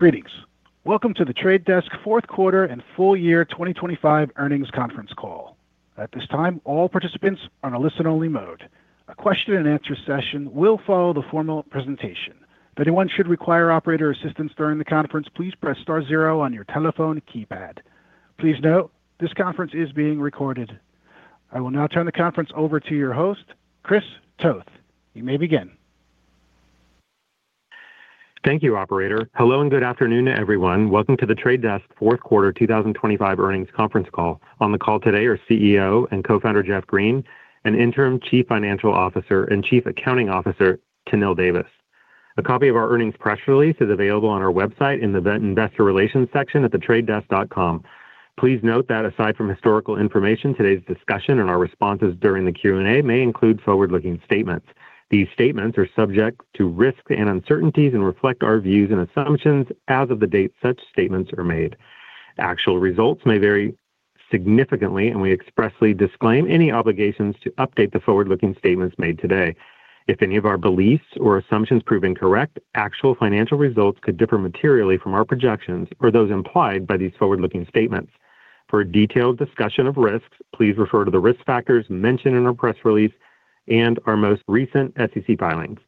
Greetings. Welcome to The Trade Desk fourth quarter and full year 2025 earnings conference call. At this time, all participants are on a listen-only mode. A question and answer session will follow the formal presentation. If anyone should require operator assistance during the conference, please press star zero on your telephone keypad. Please note, this conference is being recorded. I will now turn the conference over to your host, Chris Toth. You may begin. Thank you, operator. Hello, good afternoon, everyone. Welcome to The Trade Desk fourth quarter 2025 earnings conference call. On the call today are CEO and co-founder, Jeff Green, and Interim Chief Financial Officer and Chief Accounting Officer, Tahnil Davis. A copy of our earnings press release is available on our website in the Investor Relations section at thetradedesk.com. Please note that aside from historical information, today's discussion and our responses during the Q&A may include forward-looking statements. These statements are subject to risks and uncertainties and reflect our views and assumptions as of the date such statements are made. Actual results may vary significantly, we expressly disclaim any obligations to update the forward-looking statements made today. If any of our beliefs or assumptions prove incorrect, actual financial results could differ materially from our projections or those implied by these forward-looking statements. For a detailed discussion of risks, please refer to the risk factors mentioned in our press release and our most recent SEC filings.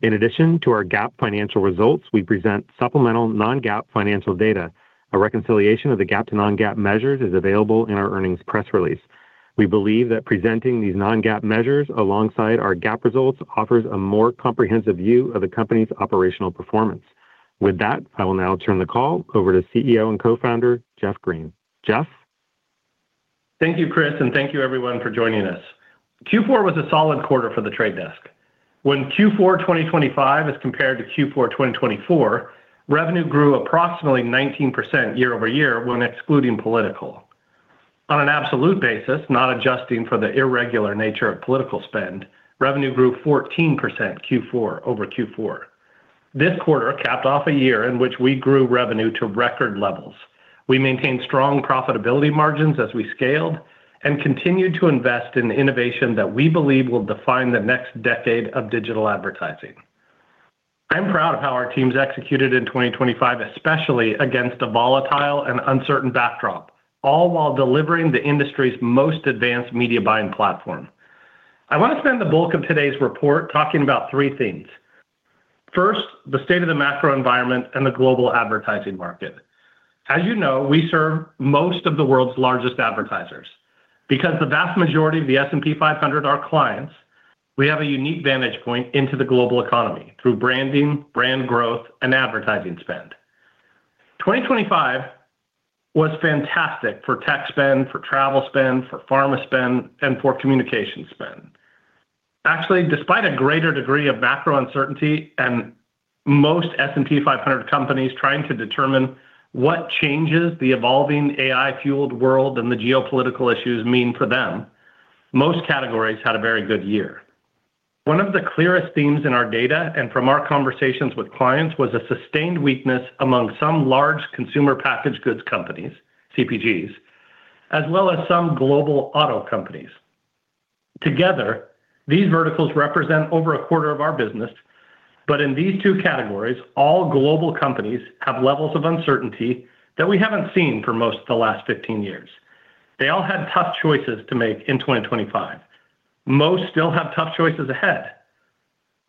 In addition to our GAAP financial results, we present supplemental non-GAAP financial data. A reconciliation of the GAAP to non-GAAP measures is available in our earnings press release. We believe that presenting these non-GAAP measures alongside our GAAP results offers a more comprehensive view of the company's operational performance. With that, I will now turn the call over to CEO and Co-founder, Jeff Green. Jeff? Thank you, Chris, and thank you everyone for joining us. Q4 was a solid quarter for The Trade Desk. When Q4 2025 is compared to Q4 2024, revenue grew approximately 19% year-over-year when excluding political. On an absolute basis, not adjusting for the irregular nature of political spend, revenue grew 14% Q4-over-Q4. This quarter capped off a year in which we grew revenue to record levels. We maintained strong profitability margins as we scaled and continued to invest in innovation that we believe will define the next decade of digital advertising. I'm proud of how our teams executed in 2025, especially against a volatile and uncertain backdrop, all while delivering the industry's most advanced media buying platform. I want to spend the bulk of today's report talking about three things. First, the state of the macro environment and the global advertising market. As you know, we serve most of the world's largest advertisers. Because the vast majority of the S&P 500 are clients, we have a unique vantage point into the global economy through branding, brand growth, and advertising spend. 2025 was fantastic for tech spend, for travel spend, for pharma spend, and for communication spend. Despite a greater degree of macro uncertainty and most S&P 500 companies trying to determine what changes the evolving AI-fueled world and the geopolitical issues mean for them, most categories had a very good year. One of the clearest themes in our data and from our conversations with clients was a sustained weakness among some large Consumer Packaged Goods companies, CPGs, as well as some global auto companies. Together, these verticals represent over a quarter of our business, but in these two categories, all global companies have levels of uncertainty that we haven't seen for most of the last 15 years. They all had tough choices to make in 2025. Most still have tough choices ahead.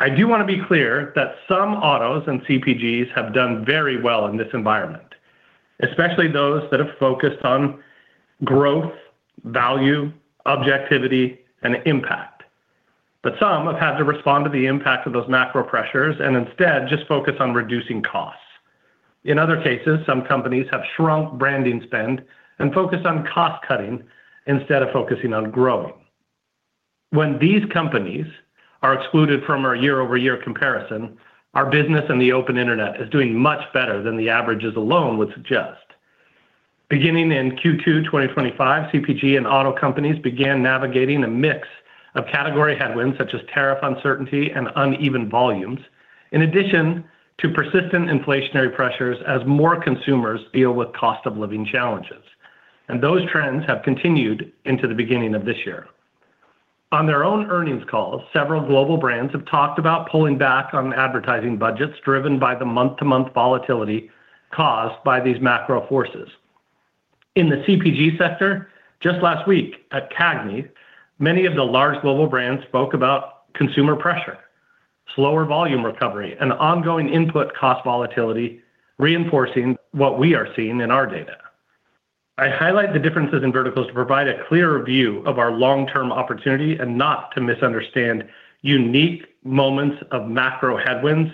I do want to be clear that some autos and CPGs have done very well in this environment, especially those that have focused on growth, value, objectivity, and impact. Some have had to respond to the impact of those macro pressures and instead just focus on reducing costs. In other cases, some companies have shrunk branding spend and focused on cost-cutting instead of focusing on growing. When these companies are excluded from our year-over-year comparison, our business in the open internet is doing much better than the averages alone would suggest. Beginning in Q2 2025, CPG and auto companies began navigating a mix of category headwinds, such as tariff uncertainty and uneven volumes, in addition to persistent inflationary pressures as more consumers deal with cost of living challenges, and those trends have continued into the beginning of this year. On their own earnings calls, several global brands have talked about pulling back on advertising budgets, driven by the month-to-month volatility caused by these macro forces. In the CPG sector, just last week at CAGNY, many of the large global brands spoke about consumer pressure, slower volume recovery, and ongoing input cost volatility, reinforcing what we are seeing in our data. I highlight the differences in verticals to provide a clearer view of our long-term opportunity and not to misunderstand unique moments of macro headwinds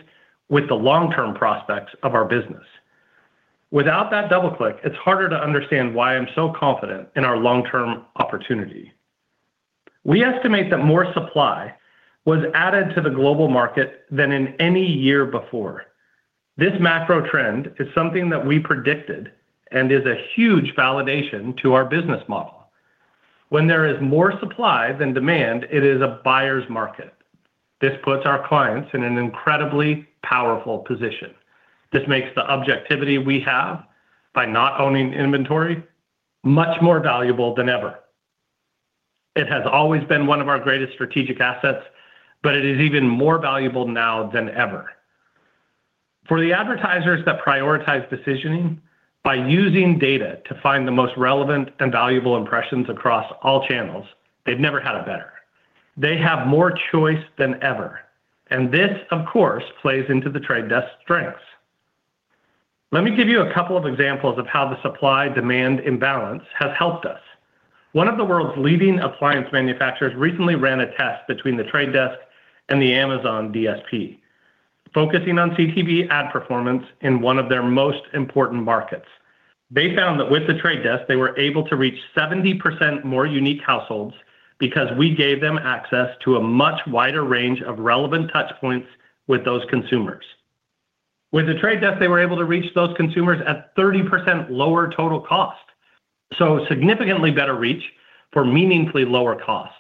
with the long-term prospects of our business. Without that double click, it's harder to understand why I'm so confident in our long-term opportunity. We estimate that more supply was added to the global market than in any year before. This macro trend is something that we predicted and is a huge validation to our business model. When there is more supply than demand, it is a buyer's market. This puts our clients in an incredibly powerful position. This makes the objectivity we have by not owning inventory much more valuable than ever. It has always been one of our greatest strategic assets, but it is even more valuable now than ever. For the advertisers that prioritize decisioning by using data to find the most relevant and valuable impressions across all channels, they've never had it better. They have more choice than ever, and this, of course, plays into The Trade Desk's strengths. Let me give you a couple of examples of how the supply-demand imbalance has helped us. One of the world's leading appliance manufacturers recently ran a test between The Trade Desk and the Amazon DSP, focusing on CTV ad performance in one of their most important markets. They found that with The Trade Desk, they were able to reach 70% more unique households because we gave them access to a much wider range of relevant touch points with those consumers. With The Trade Desk, they were able to reach those consumers at 30% lower total cost, so significantly better reach for meaningfully lower cost.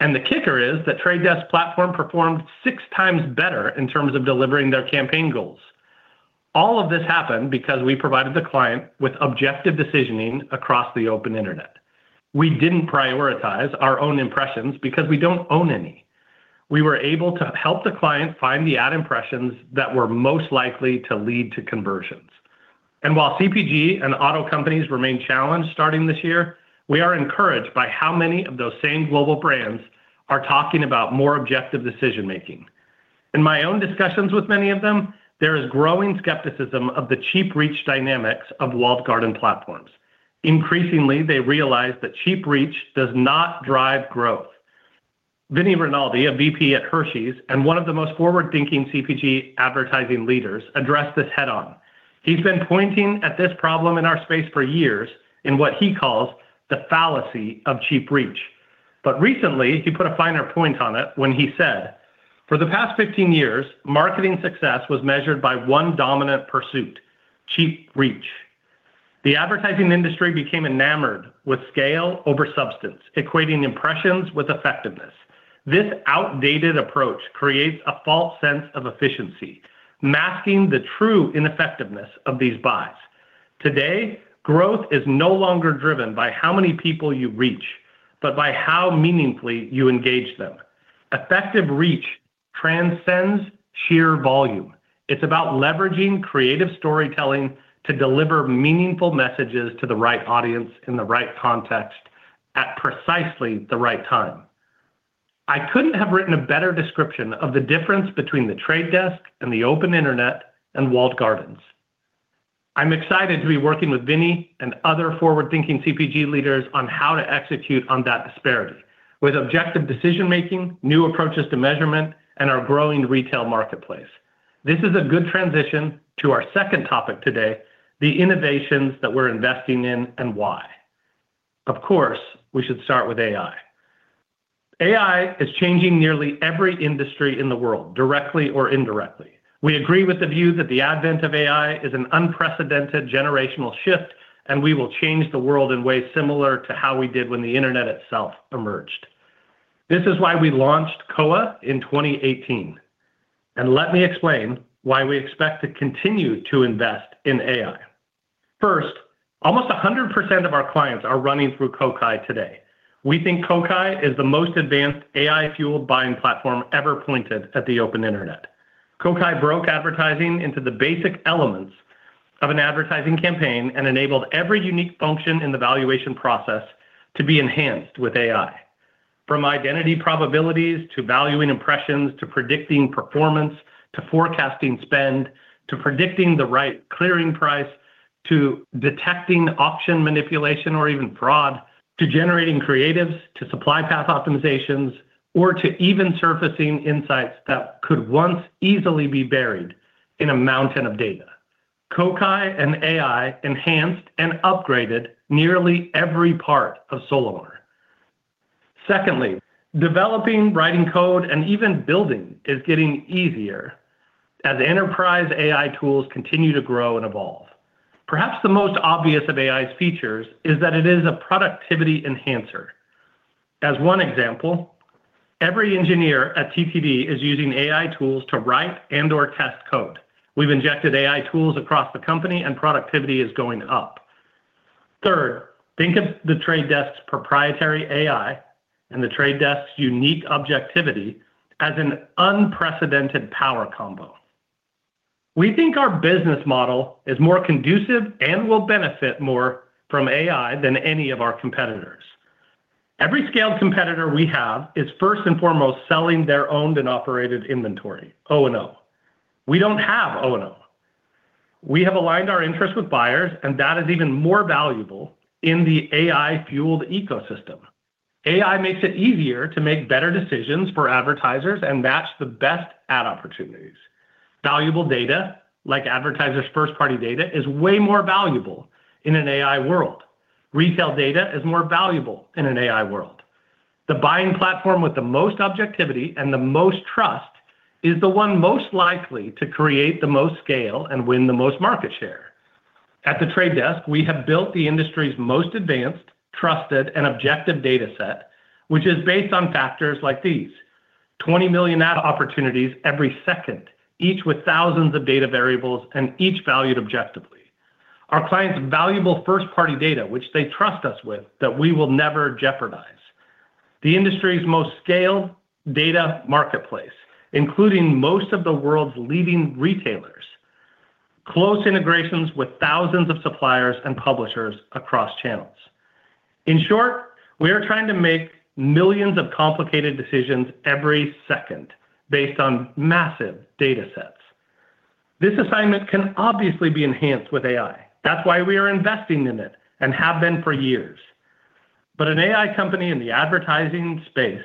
The kicker is that Trade Desk platform performed 6x better in terms of delivering their campaign goals. All of this happened because we provided the client with objective decisioning across the open internet. We didn't prioritize our own impressions because we don't own any. We were able to help the client find the ad impressions that were most likely to lead to conversions. While CPG and auto companies remain challenged starting this year, we are encouraged by how many of those same global brands are talking about more objective decision-making. In my own discussions with many of them, there is growing skepticism of the cheap reach dynamics of walled garden platforms. Increasingly, they realize that cheap reach does not drive growth. Vinny Rinaldi, a VP at Hershey's and one of the most forward-thinking CPG advertising leaders, addressed this head-on. He's been pointing at this problem in our space for years in what he calls the fallacy of cheap reach. Recently, he put a finer point on it when he said, "For the past 15 years, marketing success was measured by one dominant pursuit: cheap reach. The advertising industry became enamored with scale over substance, equating impressions with effectiveness. This outdated approach creates a false sense of efficiency, masking the true ineffectiveness of these buys. Today, growth is no longer driven by how many people you reach, but by how meaningfully you engage them. Effective reach transcends sheer volume. It's about leveraging creative storytelling to deliver meaningful messages to the right audience in the right context at precisely the right time." I couldn't have written a better description of the difference between The Trade Desk and the open internet and walled gardens. I'm excited to be working with Vinny and other forward-thinking CPG leaders on how to execute on that disparity with objective decision-making, new approaches to measurement, and our growing retail marketplace. This is a good transition to our second topic today, the innovations that we're investing in and why. We should start with AI. AI is changing nearly every industry in the world, directly or indirectly. We agree with the view that the advent of AI is an unprecedented generational shift, and we will change the world in ways similar to how we did when the internet itself emerged. This is why we launched Koa in 2018, and let me explain why we expect to continue to invest in AI. First, almost 100% of our clients are running through Kokai today. We think Kokai is the most advanced AI-fueled buying platform ever pointed at the open internet. Kokai broke advertising into the basic elements of an advertising campaign and enabled every unique function in the valuation process to be enhanced with AI. From identity probabilities, to valuing impressions, to predicting performance, to forecasting spend, to predicting the right clearing price, to detecting option manipulation or even fraud, to generating creatives, to supply path optimizations, or to even surfacing insights that could once easily be buried in a mountain of data. Kokai and AI enhanced and upgraded nearly every part of Solimar. Secondly, developing, writing code, and even building is getting easier as enterprise AI tools continue to grow and evolve. Perhaps the most obvious of AI's features is that it is a productivity enhancer. As one example, every engineer at TTD is using AI tools to write and or test code. We've injected AI tools across the company, and productivity is going up. Third, think of The Trade Desk's proprietary AI and The Trade Desk's unique objectivity as an unprecedented power combo. We think our business model is more conducive and will benefit more from AI than any of our competitors. Every scaled competitor we have is first and foremost selling their owned and operated inventory, O&O. We don't have O&O. We have aligned our interests with buyers, and that is even more valuable in the AI-fueled ecosystem. AI makes it easier to make better decisions for advertisers and match the best ad opportunities. Valuable data, like advertisers' first-party data, is way more valuable in an AI world. Retail data is more valuable in an AI world. The buying platform with the most objectivity and the most trust is the one most likely to create the most scale and win the most market share. At The Trade Desk, we have built the industry's most advanced, trusted, and objective data set, which is based on factors like these... 20 million ad opportunities every second, each with thousands of data variables, and each valued objectively. Our clients' valuable first-party data, which they trust us with, that we will never jeopardize. The industry's most scale data marketplace, including most of the world's leading retailers, close integrations with thousands of suppliers and publishers across channels. In short, we are trying to make millions of complicated decisions every second based on massive data sets. This assignment can obviously be enhanced with AI. That's why we are investing in it, and have been for years. An AI company in the advertising space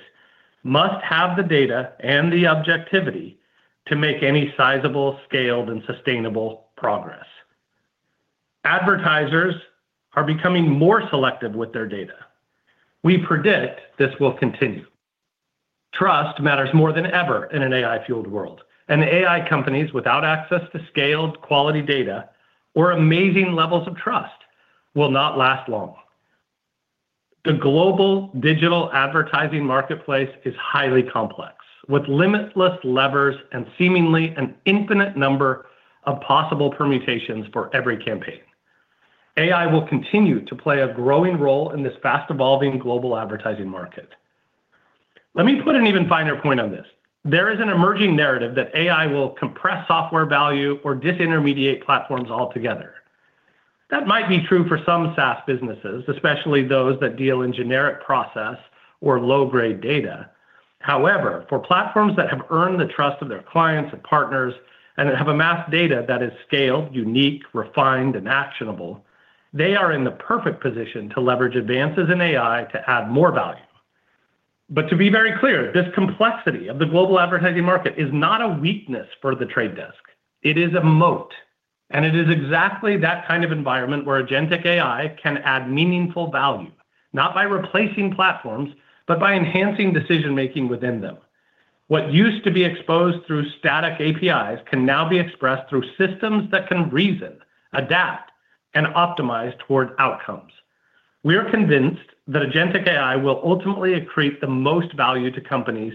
must have the data and the objectivity to make any sizable, scaled, and sustainable progress. Advertisers are becoming more selective with their data. We predict this will continue. Trust matters more than ever in an AI-fueled world, and AI companies without access to scaled, quality data or amazing levels of trust will not last long. The global digital advertising marketplace is highly complex, with limitless levers and seemingly an infinite number of possible permutations for every campaign. AI will continue to play a growing role in this fast-evolving global advertising market. Let me put an even finer point on this. There is an emerging narrative that AI will compress software value or disintermediate platforms altogether. That might be true for some SaaS businesses, especially those that deal in generic process or low-grade data. For platforms that have earned the trust of their clients and partners, and that have amassed data that is scaled, unique, refined, and actionable, they are in the perfect position to leverage advances in AI to add more value. To be very clear, this complexity of the global advertising market is not a weakness for The Trade Desk. It is a moat, and it is exactly that kind of environment where agentic AI can add meaningful value, not by replacing platforms, but by enhancing decision-making within them. What used to be exposed through static APIs can now be expressed through systems that can reason, adapt, and optimize toward outcomes. We are convinced that agentic AI will ultimately accrete the most value to companies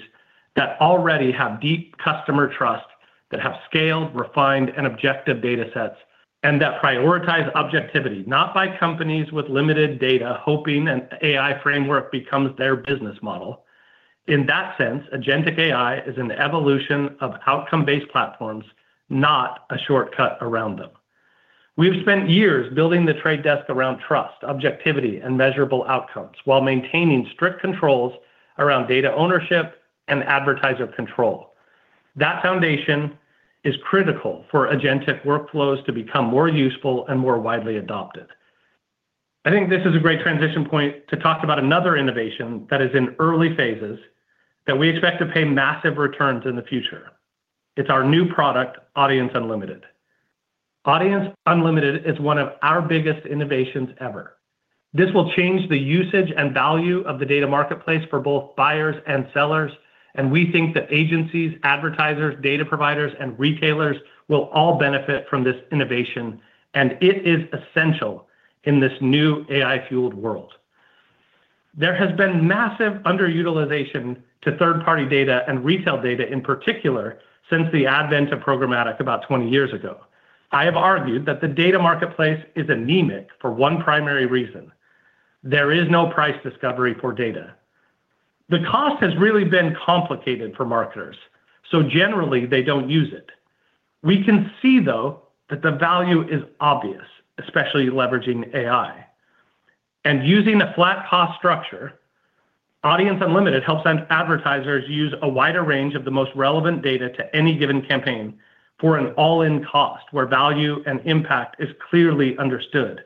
that already have deep customer trust, that have scaled, refined, and objective data sets, and that prioritize objectivity, not by companies with limited data, hoping an AI framework becomes their business model. In that sense, agentic AI is an evolution of outcome-based platforms, not a shortcut around them. We've spent years building The Trade Desk around trust, objectivity, and measurable outcomes, while maintaining strict controls around data ownership and advertiser control. That foundation is critical for agentic workflows to become more useful and more widely adopted. I think this is a great transition point to talk about another innovation that is in early phases that we expect to pay massive returns in the future. It's our new product, Audience Unlimited. Audience Unlimited is one of our biggest innovations ever. This will change the usage and value of the data marketplace for both buyers and sellers. We think that agencies, advertisers, data providers, and retailers will all benefit from this innovation. It is essential in this new AI-fueled world. There has been massive underutilization to third-party data and retail data, in particular, since the advent of programmatic about 20 years ago. I have argued that the data marketplace is anemic for one primary reason: there is no price discovery for data. The cost has really been complicated for marketers. Generally, they don't use it. We can see, though, that the value is obvious, especially leveraging AI. Using a flat cost structure, Audience Unlimited helps advertisers use a wider range of the most relevant data to any given campaign for an all-in cost, where value and impact is clearly understood.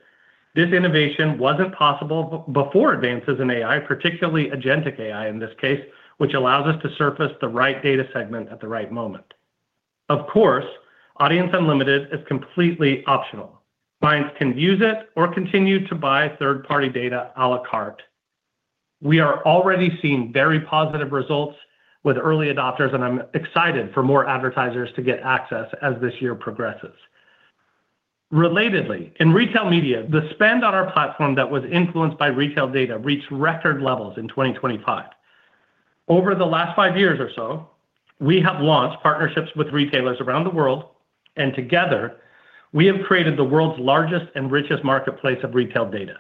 This innovation wasn't possible before advances in AI, particularly agentic AI, in this case, which allows us to surface the right data segment at the right moment. Of course, Audience Unlimited is completely optional. Clients can use it or continue to buy third-party data à la carte. We are already seeing very positive results with early adopters, and I'm excited for more advertisers to get access as this year progresses. Relatedly, in retail media, the spend on our platform that was influenced by retail data reached record levels in 2025. Over the last five years or so, we have launched partnerships with retailers around the world, and together, we have created the world's largest and richest marketplace of retail data.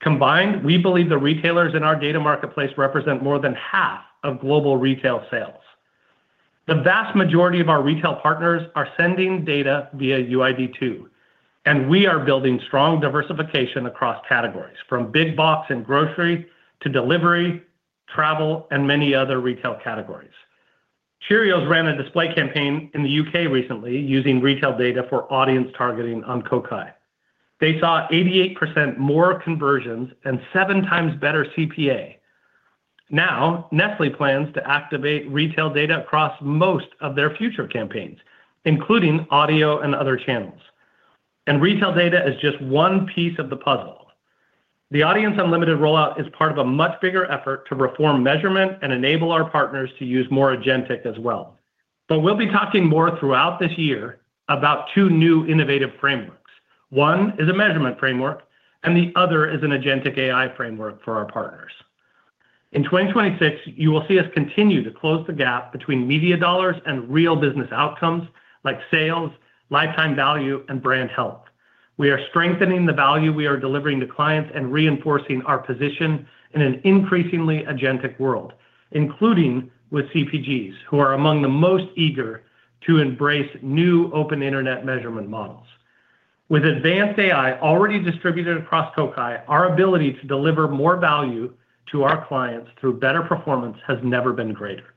Combined, we believe the retailers in our data marketplace represent more than half of global retail sales. The vast majority of our retail partners are sending data via UID2. We are building strong diversification across categories, from big box and grocery to delivery, travel, and many other retail categories. Cheerios ran a display campaign in the U.K. recently, using retail data for audience targeting on Kokai. They saw 88% more conversions and 7x better CPA. Nestlé plans to activate retail data across most of their future campaigns, including audio and other channels. Retail data is just one piece of the puzzle. The Audience Unlimited rollout is part of a much bigger effort to reform measurement and enable our partners to use more agentic as well. We'll be talking more throughout this year about two new innovative frameworks. One is a measurement framework, and the other is an agentic AI framework for our partners. In 2026, you will see us continue to close the gap between media dollars and real business outcomes like sales, lifetime value, and brand health. We are strengthening the value we are delivering to clients and reinforcing our position in an increasingly agentic world, including with CPGs, who are among the most eager to embrace new open internet measurement models. With advanced AI already distributed across Kokai, our ability to deliver more value to our clients through better performance has never been greater.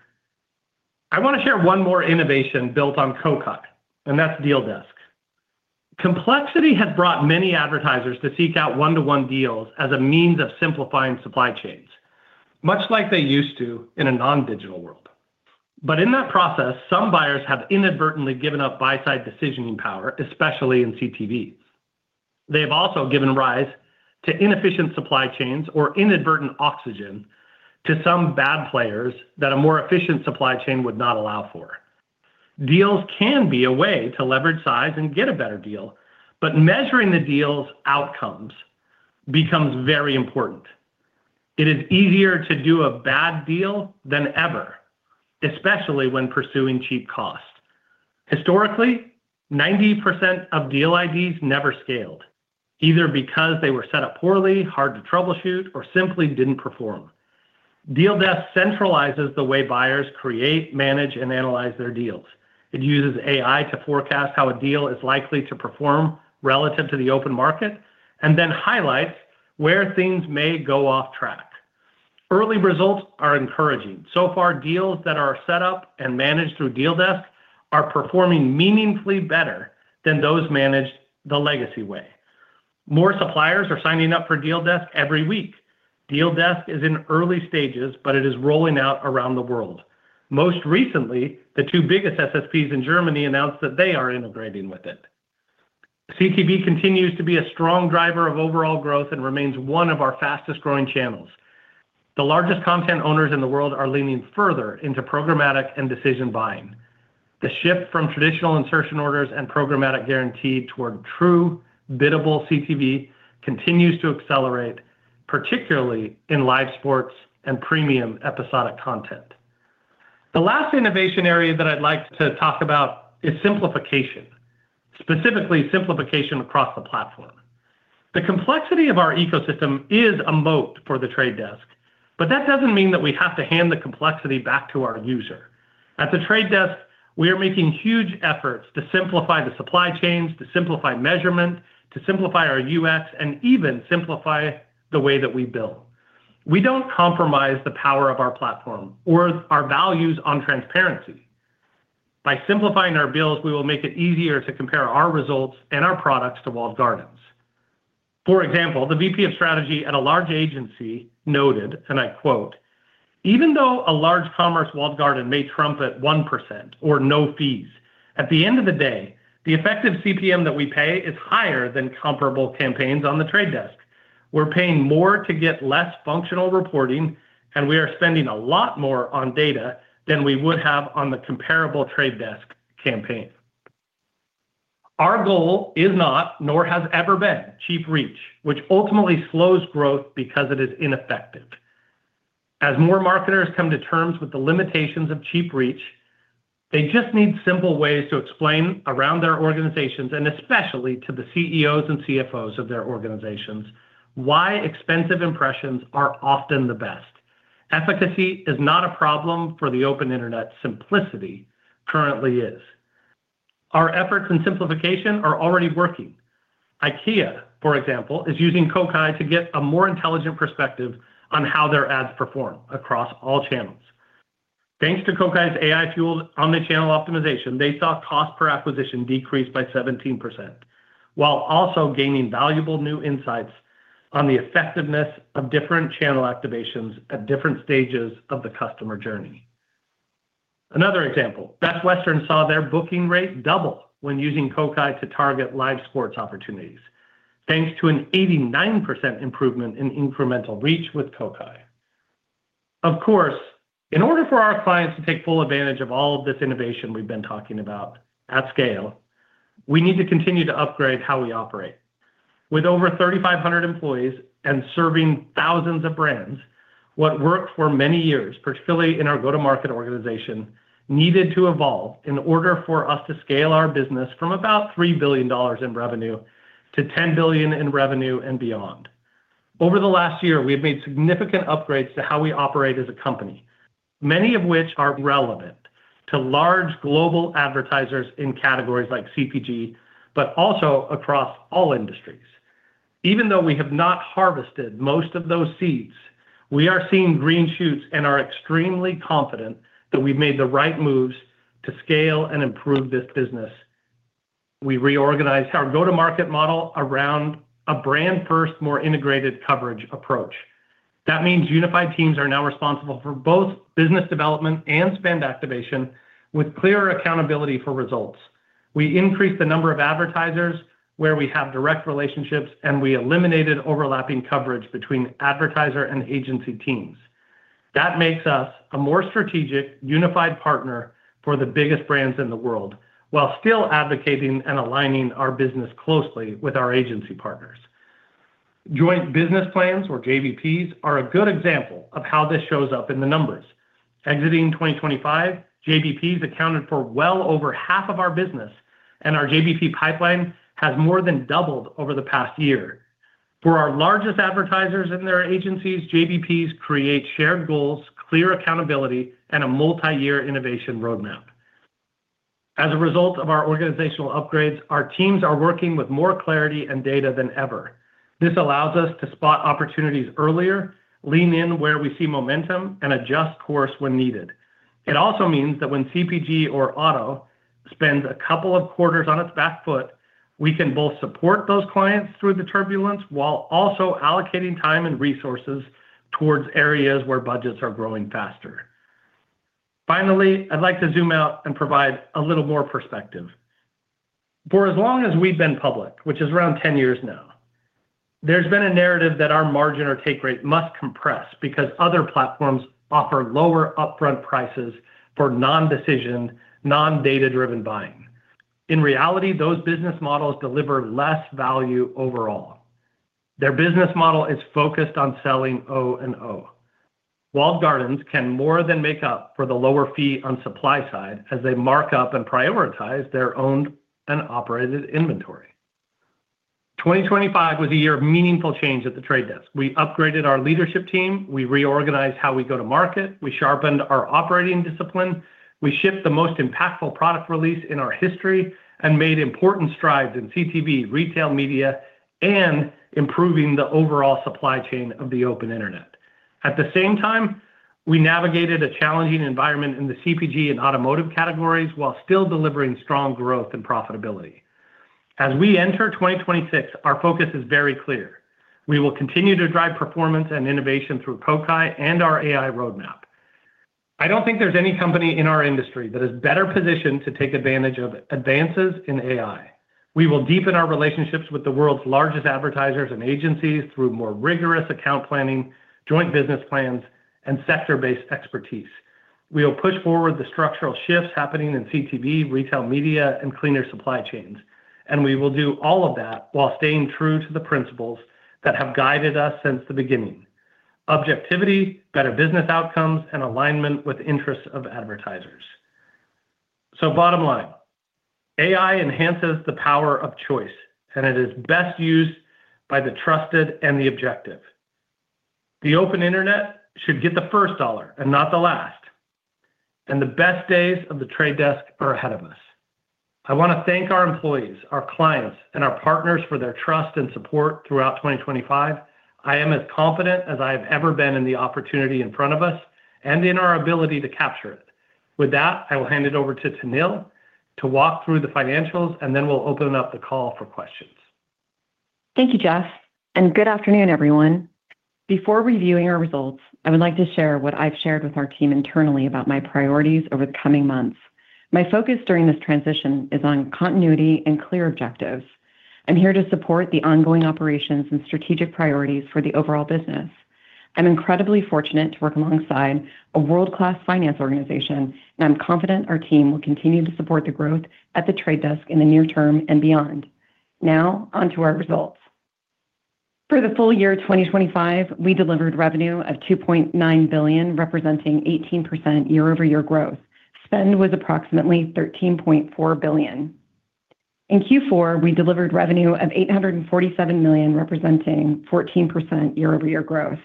I want to share one more innovation built on Kokai. That's Deal Desk. Complexity has brought many advertisers to seek out one-to-one deals as a means of simplifying supply chains, much like they used to in a non-digital world. In that process, some buyers have inadvertently given up buy-side decisioning power, especially in CTV. They have also given rise to inefficient supply chains or inadvertent oxygen to some bad players that a more efficient supply chain would not allow for. Deals can be a way to leverage size and get a better deal, but measuring the deal's outcomes becomes very important. It is easier to do a bad deal than ever, especially when pursuing cheap cost. Historically, 90% of deal IDs never scaled, either because they were set up poorly, hard to troubleshoot, or simply didn't perform. Deal Desk centralizes the way buyers create, manage, and analyze their deals. It uses AI to forecast how a deal is likely to perform relative to the open market and then highlights where things may go off track. Early results are encouraging. So far, deals that are set up and managed through Deal Desk are performing meaningfully better than those managed the legacy way. More suppliers are signing up for Deal Desk every week. Deal Desk is in early stages, but it is rolling out around the world. Most recently, the two biggest SSPs in Germany announced that they are integrating with it. CTV continues to be a strong driver of overall growth and remains one of our fastest-growing channels. The largest content owners in the world are leaning further into programmatic and decision buying. The shift from traditional insertion orders and programmatic guarantee toward true biddable CTV continues to accelerate, particularly in live sports and premium episodic content. The last innovation area that I'd like to talk about is simplification, specifically simplification across the platform. The complexity of our ecosystem is a moat for The Trade Desk, but that doesn't mean that we have to hand the complexity back to our user. At The Trade Desk, we are making huge efforts to simplify the supply chains, to simplify measurement, to simplify our UX, and even simplify the way that we build. We don't compromise the power of our platform or our values on transparency. By simplifying our bills, we will make it easier to compare our results and our products to walled gardens. For example, the VP of strategy at a large agency noted, and I quote, "Even though a large commerce walled garden may trumpet 1% or no fees, at the end of the day, the effective CPM that we pay is higher than comparable campaigns on The Trade Desk. We're paying more to get less functional reporting, and we are spending a lot more on data than we would have on the comparable Trade Desk campaign." Our goal is not, nor has ever been, cheap reach, which ultimately slows growth because it is ineffective. As more marketers come to terms with the limitations of cheap reach, they just need simple ways to explain around their organizations, and especially to the CEOs and CFOs of their organizations, why expensive impressions are often the best. Efficacy is not a problem for the open internet. Simplicity currently is. Our efforts in simplification are already working. IKEA, for example, is using Kokai to get a more intelligent perspective on how their ads perform across all channels. Thanks to Kokai's AI-fueled omni-channel optimization, they saw cost per acquisition decrease by 17%, while also gaining valuable new insights on the effectiveness of different channel activations at different stages of the customer journey. Another example, Best Western saw their booking rate double when using Kokai to target live sports opportunities, thanks to an 89% improvement in incremental reach with Kokai. In order for our clients to take full advantage of all of this innovation we've been talking about at scale, we need to continue to upgrade how we operate. With over 3,500 employees and serving thousands of brands, what worked for many years, particularly in our go-to-market organization, needed to evolve in order for us to scale our business from about $3 billion in revenue to $10 billion in revenue and beyond. Over the last year, we have made significant upgrades to how we operate as a company, many of which are relevant to large global advertisers in categories like CPG, but also across all industries. Even though we have not harvested most of those seeds, we are seeing green shoots and are extremely confident that we've made the right moves to scale and improve this business. We reorganized our go-to-market model around a brand-first, more integrated coverage approach. That means unified teams are now responsible for both business development and spend activation with clearer accountability for results. We increased the number of advertisers where we have direct relationships, and we eliminated overlapping coverage between advertiser and agency teams. That makes us a more strategic, unified partner for the biggest brands in the world, while still advocating and aligning our business closely with our agency partners. Joint business plans, or JBPs, are a good example of how this shows up in the numbers. Exiting 2025, JBPs accounted for well over half of our business, and our JBP pipeline has more than doubled over the past year. For our largest advertisers and their agencies, JBPs create shared goals, clear accountability, and a multi-year innovation roadmap. As a result of our organizational upgrades, our teams are working with more clarity and data than ever. This allows us to spot opportunities earlier, lean in where we see momentum, and adjust course when needed. It also means that when CPG or auto spends a couple of quarters on its back foot, we can both support those clients through the turbulence, while also allocating time and resources towards areas where budgets are growing faster. Finally, I'd like to zoom out and provide a little more perspective. For as long as we've been public, which is around 10 years now, there's been a narrative that our margin or take rate must compress because other platforms offer lower upfront prices for non-decision, non-data-driven buying. In reality, those business models deliver less value overall. Their business model is focused on selling O&O, while gardens can more than make up for the lower fee on supply side as they mark up and prioritize their owned and operated inventory. 2025 was a year of meaningful change at The Trade Desk. We upgraded our leadership team, we reorganized how we go to market, we sharpened our operating discipline, we shipped the most impactful product release in our history, and made important strides in CTV, retail media, and improving the overall supply chain of the open internet. At the same time, we navigated a challenging environment in the CPG and automotive categories, while still delivering strong growth and profitability. As we enter 2026, our focus is very clear. We will continue to drive performance and innovation through Kokai and our AI roadmap. I don't think there's any company in our industry that is better positioned to take advantage of advances in AI. We will deepen our relationships with the world's largest advertisers and agencies through more rigorous account planning, Joint Business Plans, and sector-based expertise. We will push forward the structural shifts happening in CTV, retail media, and cleaner supply chains. We will do all of that while staying true to the principles that have guided us since the beginning: objectivity, better business outcomes, and alignment with interests of advertisers. Bottom line, AI enhances the power of choice, and it is best used by the trusted and the objective. The open internet should get the first dollar and not the last, and the best days of The Trade Desk are ahead of us. I want to thank our employees, our clients, and our partners for their trust and support throughout 2025. I am as confident as I have ever been in the opportunity in front of us and in our ability to capture it. With that, I will hand it over to Tahnil to walk through the financials, and then we'll open up the call for questions. Thank you, Jeff. Good afternoon, everyone. Before reviewing our results, I would like to share what I've shared with our team internally about my priorities over the coming months. My focus during this transition is on continuity and clear objectives. I'm here to support the ongoing operations and strategic priorities for the overall business. I'm incredibly fortunate to work alongside a world-class finance organization, and I'm confident our team will continue to support the growth at The Trade Desk in the near term and beyond. Now, on to our results. For the full year 2025, we delivered revenue of $2.9 billion, representing 18% year-over-year growth. Spend was approximately $13.4 billion. In Q4, we delivered revenue of $847 million, representing 14% year-over-year growth.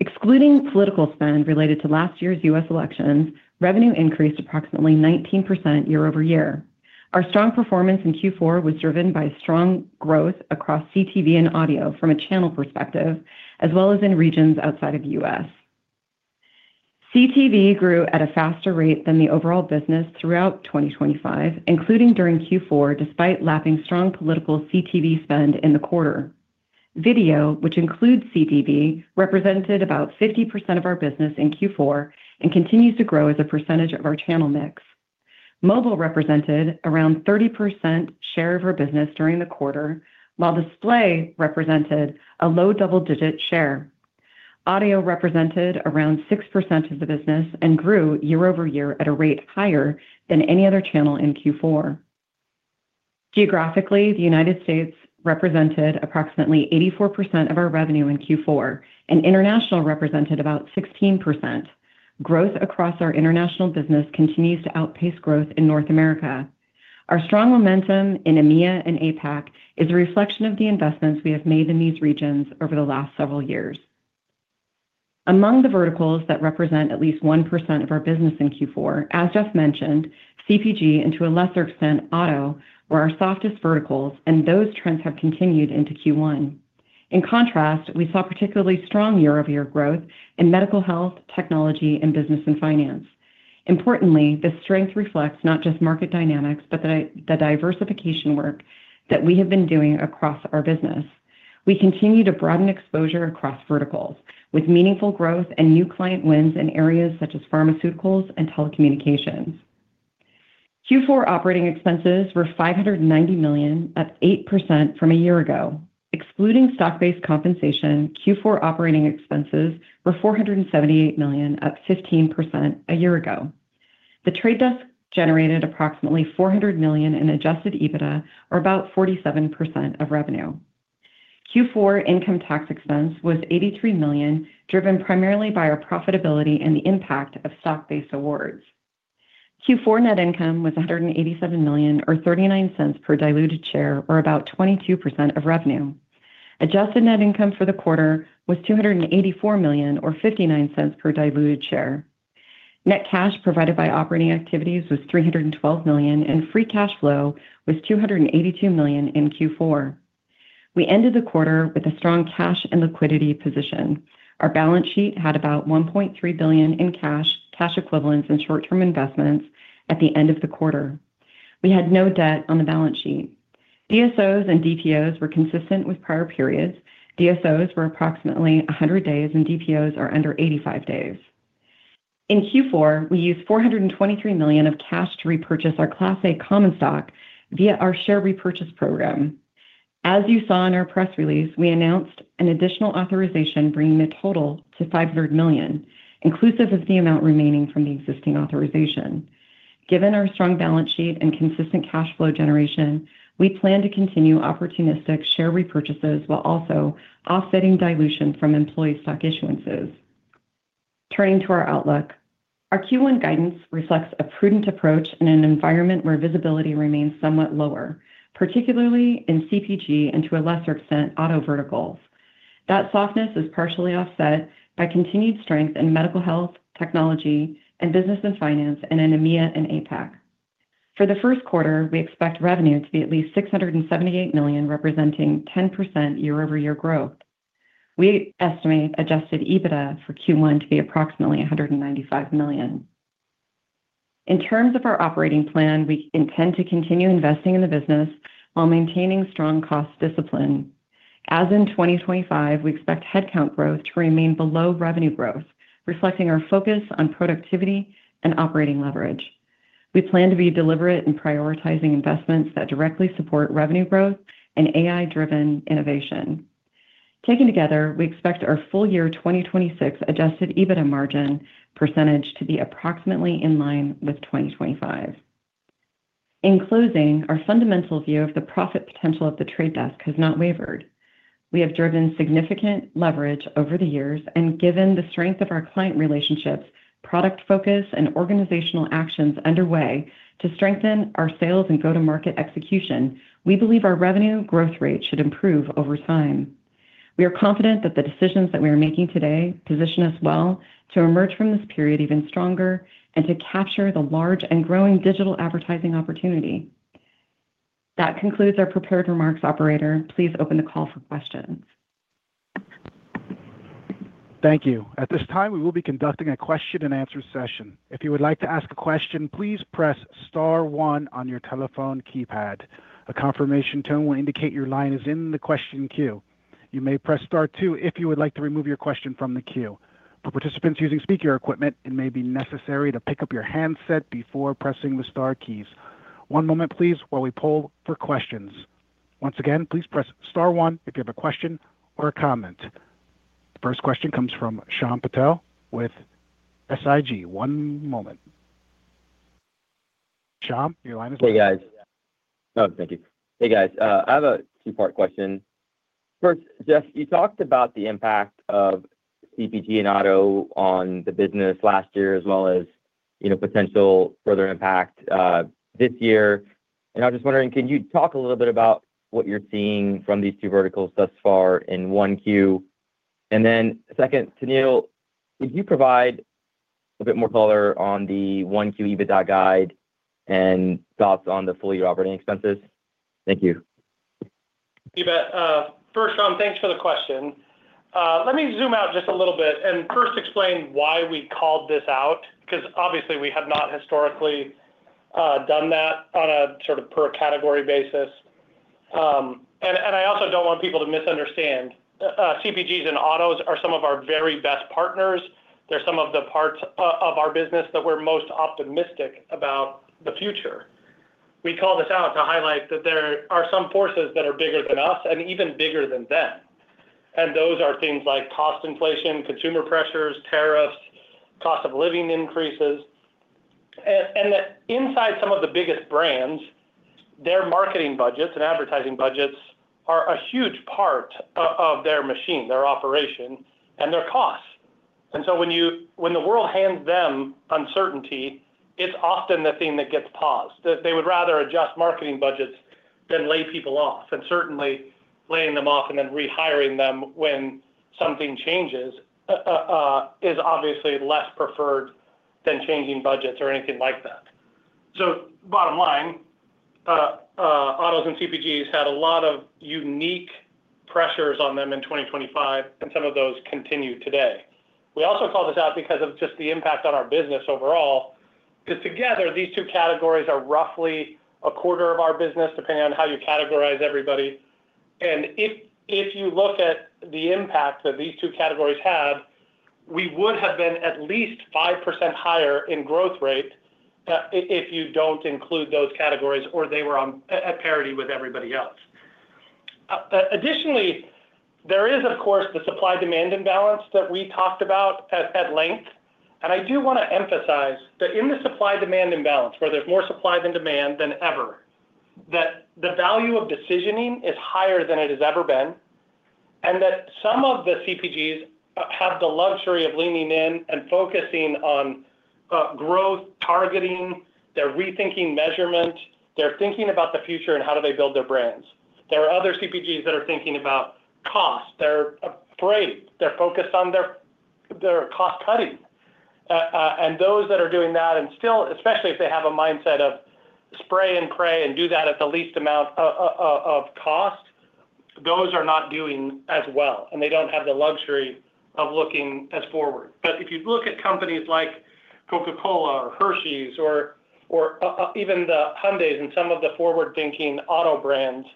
Excluding political spend related to last year's U.S. elections, revenue increased approximately 19% year-over-year. Our strong performance in Q4 was driven by strong growth across CTV and audio from a channel perspective, as well as in regions outside of the U.S. CTV grew at a faster rate than the overall business throughout 2025, including during Q4, despite lapping strong political CTV spend in the quarter. Video, which includes CTV, represented about 50% of our business in Q4 and continues to grow as a percentage of our channel mix. Mobile represented around 30% share of our business during the quarter, while display represented a low double-digit share. Audio represented around 6% of the business and grew year-over-year at a rate higher than any other channel in Q4. Geographically, the United States represented approximately 84% of our revenue in Q4, and international represented about 16%. Growth across our international business continues to outpace growth in North America. Our strong momentum in EMEA and APAC is a reflection of the investments we have made in these regions over the last several years. Among the verticals that represent at least 1% of our business in Q4, as Jeff mentioned, CPG, and to a lesser extent, auto, were our softest verticals. Those trends have continued into Q1. In contrast, we saw particularly strong year-over-year growth in medical health, technology, and business and finance. Importantly, this strength reflects not just market dynamics, but the diversification work that we have been doing across our business. We continue to broaden exposure across verticals with meaningful growth and new client wins in areas such as pharmaceuticals and telecommunications. Q4 operating expenses were $590 million, up 8% from a year ago. Excluding stock-based compensation, Q4 operating expenses were $478 million, up 15% a year ago. The Trade Desk generated approximately $400 million in adjusted EBITDA, or about 47% of revenue. Q4 income tax expense was $83 million, driven primarily by our profitability and the impact of stock-based awards. Q4 net income was $187 million, or $0.39 per diluted share, or about 22% of revenue. Adjusted net income for the quarter was $284 million, or $0.59 per diluted share. Net cash provided by operating activities was $312 million, and free cash flow was $282 million in Q4. We ended the quarter with a strong cash and liquidity position. Our balance sheet had about $1.3 billion in cash equivalents, and short-term investments at the end of the quarter. We had no debt on the balance sheet. DSOs and DPOs were consistent with prior periods. DSOs were approximately 100 days, and DPOs are under 85 days. In Q4, we used $423 million of cash to repurchase our Class A common stock via our share repurchase program. As you saw in our press release, we announced an additional authorization, bringing the total to $500 million, inclusive of the amount remaining from the existing authorization. Given our strong balance sheet and consistent cash flow generation, we plan to continue opportunistic share repurchases while also offsetting dilution from employee stock issuances. Turning to our outlook. Our Q1 guidance reflects a prudent approach in an environment where visibility remains somewhat lower, particularly in CPG and, to a lesser extent, auto verticals. That softness is partially offset by continued strength in medical health, technology, and business and finance, and in EMEA and APAC. For the first quarter, we expect revenue to be at least $678 million, representing 10% year-over-year growth. We estimate adjusted EBITDA for Q1 to be approximately $195 million. In terms of our operating plan, we intend to continue investing in the business while maintaining strong cost discipline. As in 2025, we expect headcount growth to remain below revenue growth, reflecting our focus on productivity and operating leverage. We plan to be deliberate in prioritizing investments that directly support revenue growth and AI-driven innovation. Taken together, we expect our full year 2026 adjusted EBITDA margin percentage to be approximately in line with 2025. In closing, our fundamental view of the profit potential of The Trade Desk has not wavered. We have driven significant leverage over the years and, given the strength of our client relationships, product focus, and organizational actions underway to strengthen our sales and go-to-market execution, we believe our revenue growth rate should improve over time. We are confident that the decisions that we are making today position us well to emerge from this period even stronger and to capture the large and growing digital advertising opportunity. That concludes our prepared remarks, operator. Please open the call for questions. Thank you. At this time, we will be conducting a question-and-answer session. If you would like to ask a question, please press star one on your telephone keypad. A confirmation tone will indicate your line is in the question queue. You may press star two if you would like to remove your question from the queue. For participants using speaker equipment, it may be necessary to pick up your handset before pressing the star keys. One moment, please, while we poll for questions. Once again, please press star one if you have a question or a comment. The first question comes from Shyam Patil with SIG. One moment. Shyam, your line is open. Hey, guys. Thank you. Hey, guys. I have a two-part question. First, Jeff, you talked about the impact of CPG and auto on the business last year, as well as, you know, potential further impact this year, I was just wondering, can you talk a little bit about what you're seeing from these two verticals thus far in 1Q? Second, Tahnil, could you provide a bit more color on the 1Q EBITDA guide and thoughts on the full-year operating expenses? Thank you. You bet. First, Shyam, thanks for the question. Let me zoom out just a little bit and first explain why we called this out, because obviously we have not historically done that on a sort of per category basis. I also don't want people to misunderstand. CPGs and autos are some of our very best partners. They're some of the parts of our business that we're most optimistic about the future. We call this out to highlight that there are some forces that are bigger than us and even bigger than them. Those are things like cost inflation, consumer pressures, tariffs, cost of living increases. That inside some of the biggest brands, their marketing budgets and advertising budgets are a huge part of their machine, their operation, and their costs. When the world hands them uncertainty, it's often the thing that gets paused. That they would rather adjust marketing budgets than lay people off. Certainly, laying them off and then rehiring them when something changes is obviously less preferred than changing budgets or anything like that. Bottom line, autos and CPGs had a lot of unique pressures on them in 2025, and some of those continue today. We also call this out because of just the impact on our business overall, because together, these two categories are roughly a quarter of our business, depending on how you categorize everybody. If you look at the impact that these two categories have. we would have been at least 5% higher in growth rate, if you don't include those categories, or they were on, at parity with everybody else. Additionally, there is, of course, the supply-demand imbalance that we talked about at length, and I do wanna emphasize that in the supply-demand imbalance, where there's more supply than demand than ever, that the value of decisioning is higher than it has ever been, and that some of the CPGs have the luxury of leaning in and focusing on growth, targeting. They're rethinking measurement. They're thinking about the future and how do they build their brands. There are other CPGs that are thinking about cost. They're afraid. They're focused on their cost cutting. Those that are doing that, and still, especially if they have a mindset of spray and pray and do that at the least amount of cost, those are not doing as well, and they don't have the luxury of looking as forward. If you look at companies like Coca-Cola or Hershey's or even the Hyundais and some of the forward-thinking auto brands,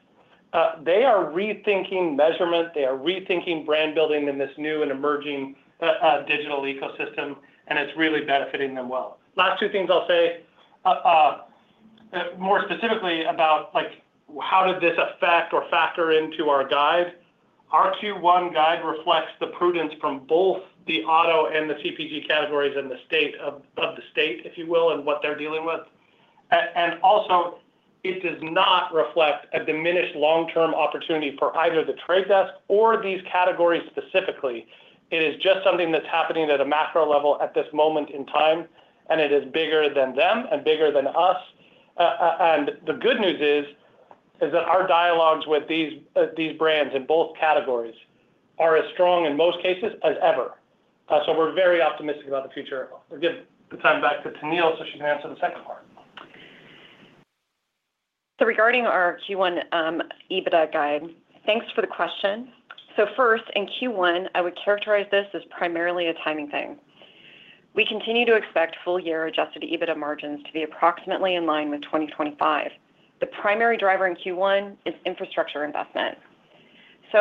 they are rethinking measurement, they are rethinking brand building in this new and emerging digital ecosystem, and it's really benefiting them well. Last two things I'll say, more specifically about, like, how did this affect or factor into our guide? Our Q1 guide reflects the prudence from both the auto and the CPG categories and the state of the state, if you will, and what they're dealing with. Also, it does not reflect a diminished long-term opportunity for either The Trade Desk or these categories specifically. It is just something that's happening at a macro level at this moment in time, and it is bigger than them and bigger than us. The good news is that our dialogues with these brands in both categories are as strong in most cases as ever. We're very optimistic about the future. I'll give the time back to Tahnil, so she can answer the second part. Regarding our Q1 EBITDA guide, thanks for the question. First, in Q1, I would characterize this as primarily a timing thing. We continue to expect full-year adjusted EBITDA margins to be approximately in line with 2025. The primary driver in Q1 is infrastructure investment.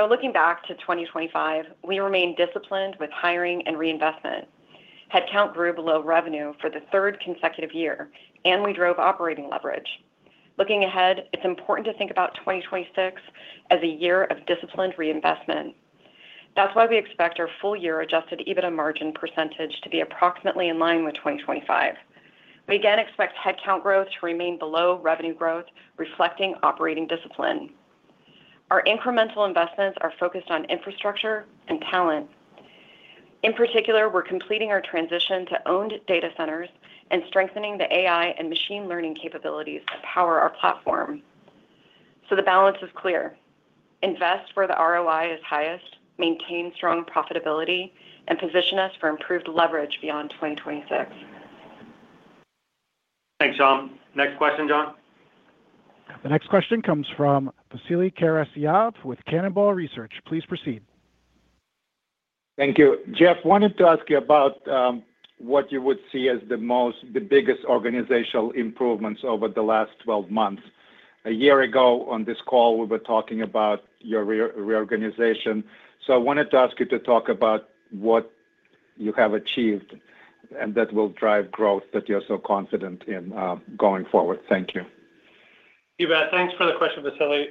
Looking back to 2025, we remain disciplined with hiring and reinvestment. Headcount grew below revenue for the third consecutive year, and we drove operating leverage. Looking ahead, it's important to think about 2026 as a year of disciplined reinvestment. That's why we expect our full-year adjusted EBITDA margin percentage to be approximately in line with 2025. We again expect headcount growth to remain below revenue growth, reflecting operating discipline. Our incremental investments are focused on infrastructure and talent. In particular, we're completing our transition to owned data centers and strengthening the AI and machine learning capabilities that power our platform. The balance is clear: Invest where the ROI is highest, maintain strong profitability, and position us for improved leverage beyond 2026. Thanks, Tahnil. Next question, John. The next question comes from Vasily Karasyov with Cannonball Research. Please proceed. Thank you. Jeff, wanted to ask you about, what you would see as the biggest organizational improvements over the last 12 months? A year ago, on this call, we were talking about your reorganization. I wanted to ask you to talk about what you have achieved, and that will drive growth that you're so confident in, going forward. Thank you. You bet. Thanks for the question, Vasily.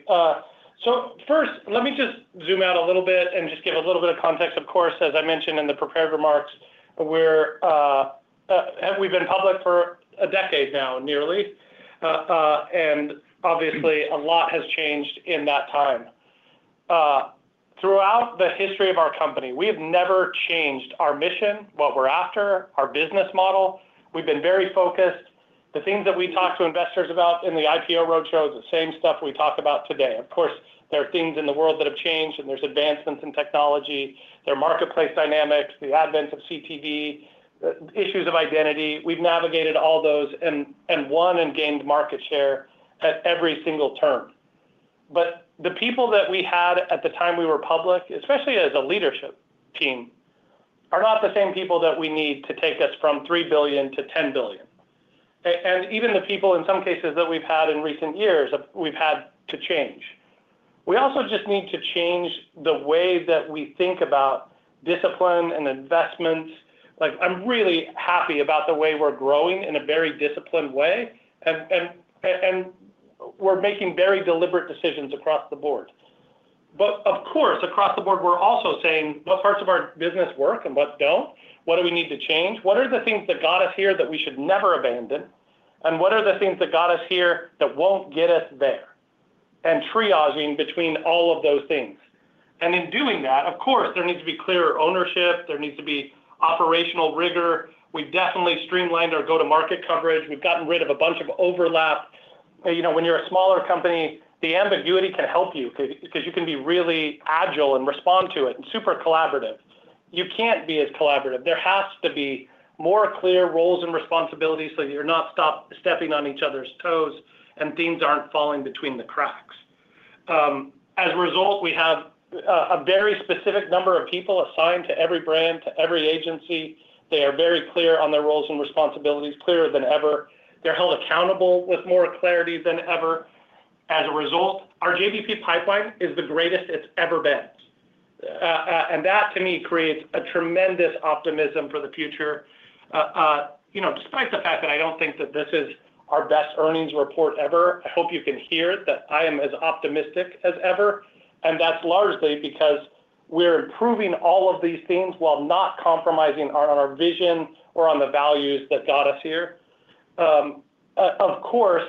First, let me just zoom out a little bit and just give a little bit of context. Of course, as I mentioned in the prepared remarks, we've been public for a decade now, nearly. Obviously, a lot has changed in that time. Throughout the history of our company, we have never changed our mission, what we're after, our business model. We've been very focused. The things that we talked to investors about in the IPO roadshow is the same stuff we talk about today. Of course, there are things in the world that have changed, and there's advancements in technology, there are marketplace dynamics, the advent of CTV, issues of identity. We've navigated all those and won and gained market share at every single turn. The people that we had at the time we were public, especially as a leadership team, are not the same people that we need to take us from $3 billion to $10 billion. Even the people in some cases that we've had in recent years, we've had to change. We also just need to change the way that we think about discipline and investments. Like, I'm really happy about the way we're growing in a very disciplined way, and we're making very deliberate decisions across the board. Of course, across the board, we're also saying, what parts of our business work and what don't? What do we need to change? What are the things that got us here that we should never abandon? What are the things that got us here that won't get us there? Triaging between all of those things. In doing that, of course, there needs to be clearer ownership, there needs to be operational rigor. We've definitely streamlined our go-to-market coverage. We've gotten rid of a bunch of overlap. You know, when you're a smaller company, the ambiguity can help you 'cause you can be really agile and respond to it and super collaborative. You can't be as collaborative. There has to be more clear roles and responsibilities, so you're not stepping on each other's toes, and things aren't falling between the cracks. As a result, we have a very specific number of people assigned to every brand, to every agency. They are very clear on their roles and responsibilities, clearer than ever. They're held accountable with more clarity than ever. As a result, our JBP pipeline is the greatest it's ever been. That, to me, creates a tremendous optimism for the future. You know, despite the fact that I don't think that this is our best earnings report ever, I hope you can hear that I am as optimistic as ever, that's largely because we're improving all of these things while not compromising on our vision or on the values that got us here. Of course,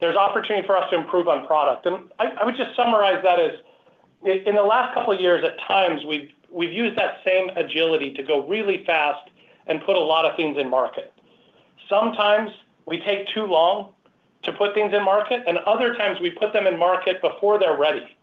there's opportunity for us to improve on product, I would just summarize that as in the last couple of years, at times, we've used that same agility to go really fast and put a lot of things in market. Sometimes we take too long to put things in market, other times we put them in market before they're ready.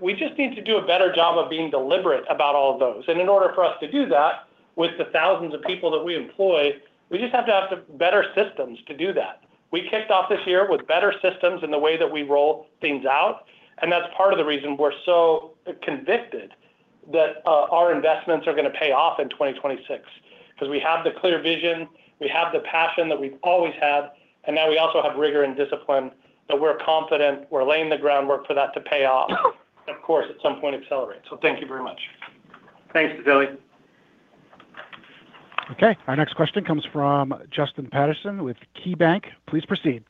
We just need to do a better job of being deliberate about all of those. In order for us to do that, with the thousands of people that we employ, we just have to have the better systems to do that. We kicked off this year with better systems in the way that we roll things out, and that's part of the reason we're so convicted that our investments are gonna pay off in 2026. We have the clear vision, we have the passion that we've always had, and now we also have rigor and discipline, that we're confident, we're laying the groundwork for that to pay off, of course, at some point accelerate. Thank you very much. Thanks, Vasily. Our next question comes from Justin Patterson with KeyBanc. Please proceed.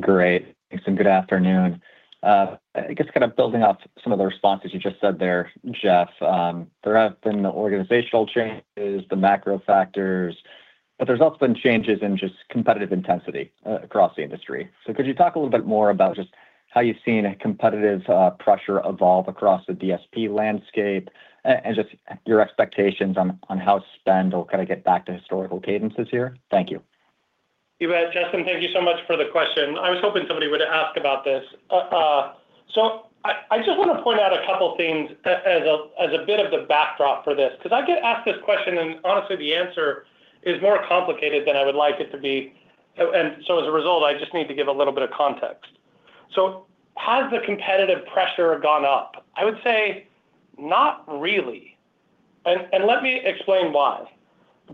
Great. Thanks, and good afternoon. I guess kind of building off some of the responses you just said there, Jeff, there have been the organizational changes, the macro factors, but there's also been changes in just competitive intensity across the industry. Could you talk a little bit more about just how you've seen a competitive pressure evolve across the DSP landscape, and just your expectations on how spend will kinda get back to historical cadences here? Thank you. You bet, Justin. Thank you so much for the question. I was hoping somebody would ask about this. I just wanna point out a couple of things as a bit of the backdrop for this, because I get asked this question, and honestly, the answer is more complicated than I would like it to be. As a result, I just need to give a little bit of context. Has the competitive pressure gone up? I would say, not really. Let me explain why.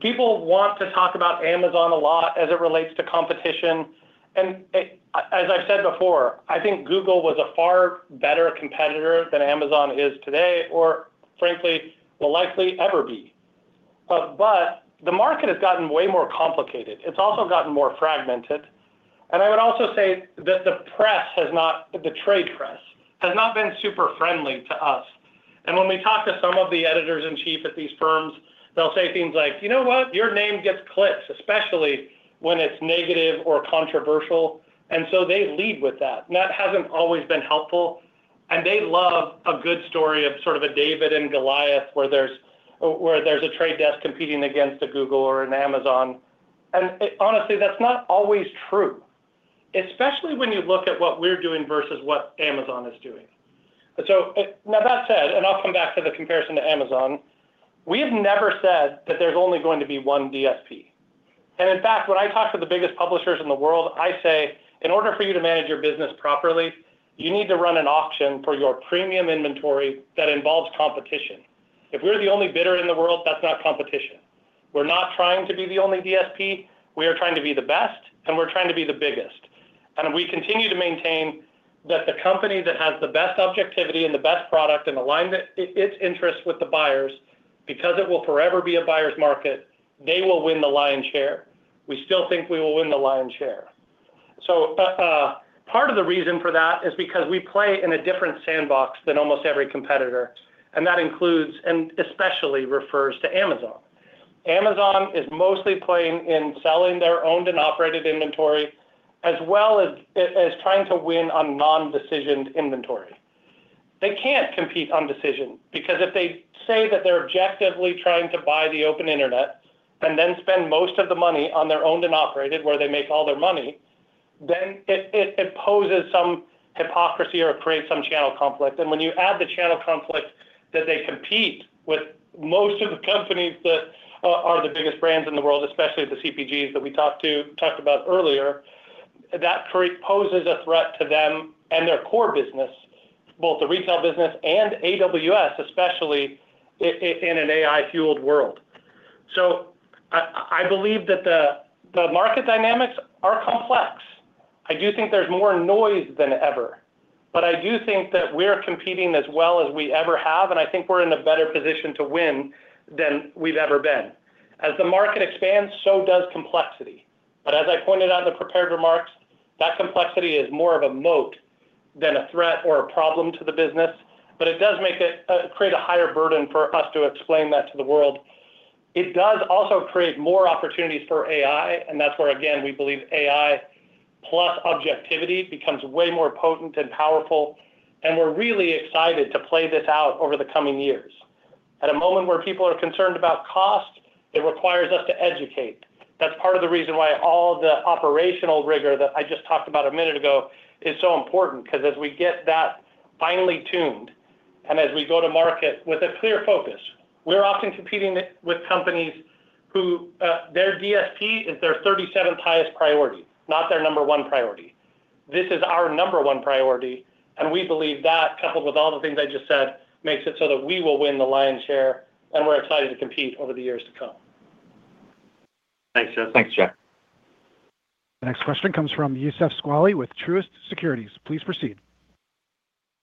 People want to talk about Amazon a lot as it relates to competition, as I said before, I think Google was a far better competitor than Amazon is today, or frankly, will likely ever be. The market has gotten way more complicated. It's also gotten more fragmented. I would also say that the trade press has not been super friendly to us. When we talk to some of the editors-in-chief at these firms, they'll say things like: "You know what? Your name gets clicks, especially when it's negative or controversial." They lead with that, and that hasn't always been helpful. They love a good story of sort of a David and Goliath, where there's The Trade Desk competing against a Google or an Amazon. Honestly, that's not always true, especially when you look at what we're doing versus what Amazon is doing. Now, that said, and I'll come back to the comparison to Amazon, we have never said that there's only going to be one DSP. In fact, when I talk to the biggest publishers in the world, I say, "In order for you to manage your business properly, you need to run an auction for your premium inventory that involves competition." If we're the only bidder in the world, that's not competition. We're not trying to be the only DSP, we are trying to be the best, and we're trying to be the biggest. We continue to maintain that the company that has the best objectivity and the best product and aligns its interest with the buyers, because it will forever be a buyer's market, they will win the lion's share. We still think we will win the lion's share. Part of the reason for that is because we play in a different sandbox than almost every competitor, and that includes, and especially refers to Amazon. Amazon is mostly playing in selling their owned and operated inventory, as well as trying to win on non-decisioned inventory. They can't compete on decision, because if they say that they're objectively trying to buy the open internet and then spend most of the money on their owned and operated, where they make all their money, then it poses some hypocrisy or it creates some channel conflict. When you add the channel conflict that they compete with most of the companies that are the biggest brands in the world, especially the CPGs that we talked about earlier, that poses a threat to them and their core business, both the retail business and AWS, especially in an AI-fueled world. I believe that the market dynamics are complex. I do think there's more noise than ever, but I do think that we are competing as well as we ever have, and I think we're in a better position to win than we've ever been. As the market expands, so does complexity. As I pointed out in the prepared remarks, that complexity is more of a moat than a threat or a problem to the business, but it does make it create a higher burden for us to explain that to the world. It does also create more opportunities for AI, and that's where, again, we believe AI plus objectivity becomes way more potent and powerful, and we're really excited to play this out over the coming years. At a moment where people are concerned about cost, it requires us to educate. That's part of the reason why all the operational rigor that I just talked about a minute ago is so important, because as we get that finely tuned, and as we go to market with a clear focus, we're often competing with companies who, their DSP is their 37th highest priority, not their number one priority. This is our number one priority, and we believe that, coupled with all the things I just said, makes it so that we will win the lion's share, and we're excited to compete over the years to come. Thanks, Jeff. The next question comes from Youssef Squali with Truist Securities. Please proceed.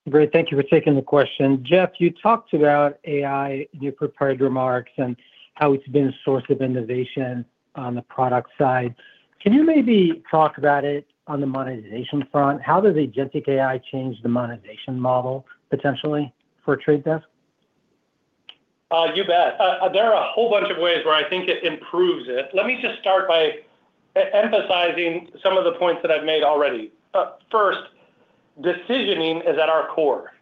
Great, thank you for taking the question. Jeff, you talked about AI in your prepared remarks and how it's been a source of innovation on the product side. Can you maybe talk about it on the monetization front? How does agentic AI change the monetization model potentially for Trade Desk? You bet. There are a whole bunch of ways where I think it improves it. Let me just start by emphasizing some of the points that I've made already. First, decisioning is at our core.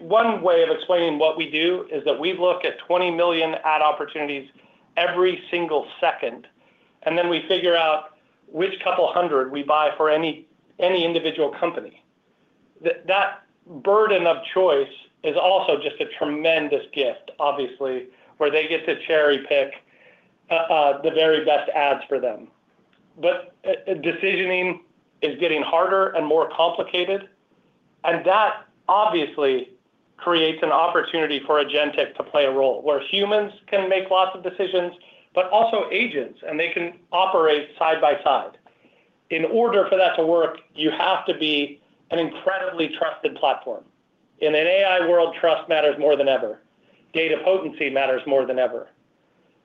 One way of explaining what we do is that we look at 20 million ad opportunities every single second, and then we figure out which couple hundred we buy for any individual company. That burden of choice is also just a tremendous gift, obviously, where they get to cherry-pick the very best ads for them. Decisioning is getting harder and more complicated, and that obviously creates an opportunity for agentic to play a role, where humans can make lots of decisions, but also agents, and they can operate side by side. In order for that to work, you have to be an incredibly trusted platform. In an AI world, trust matters more than ever. Data potency matters more than ever.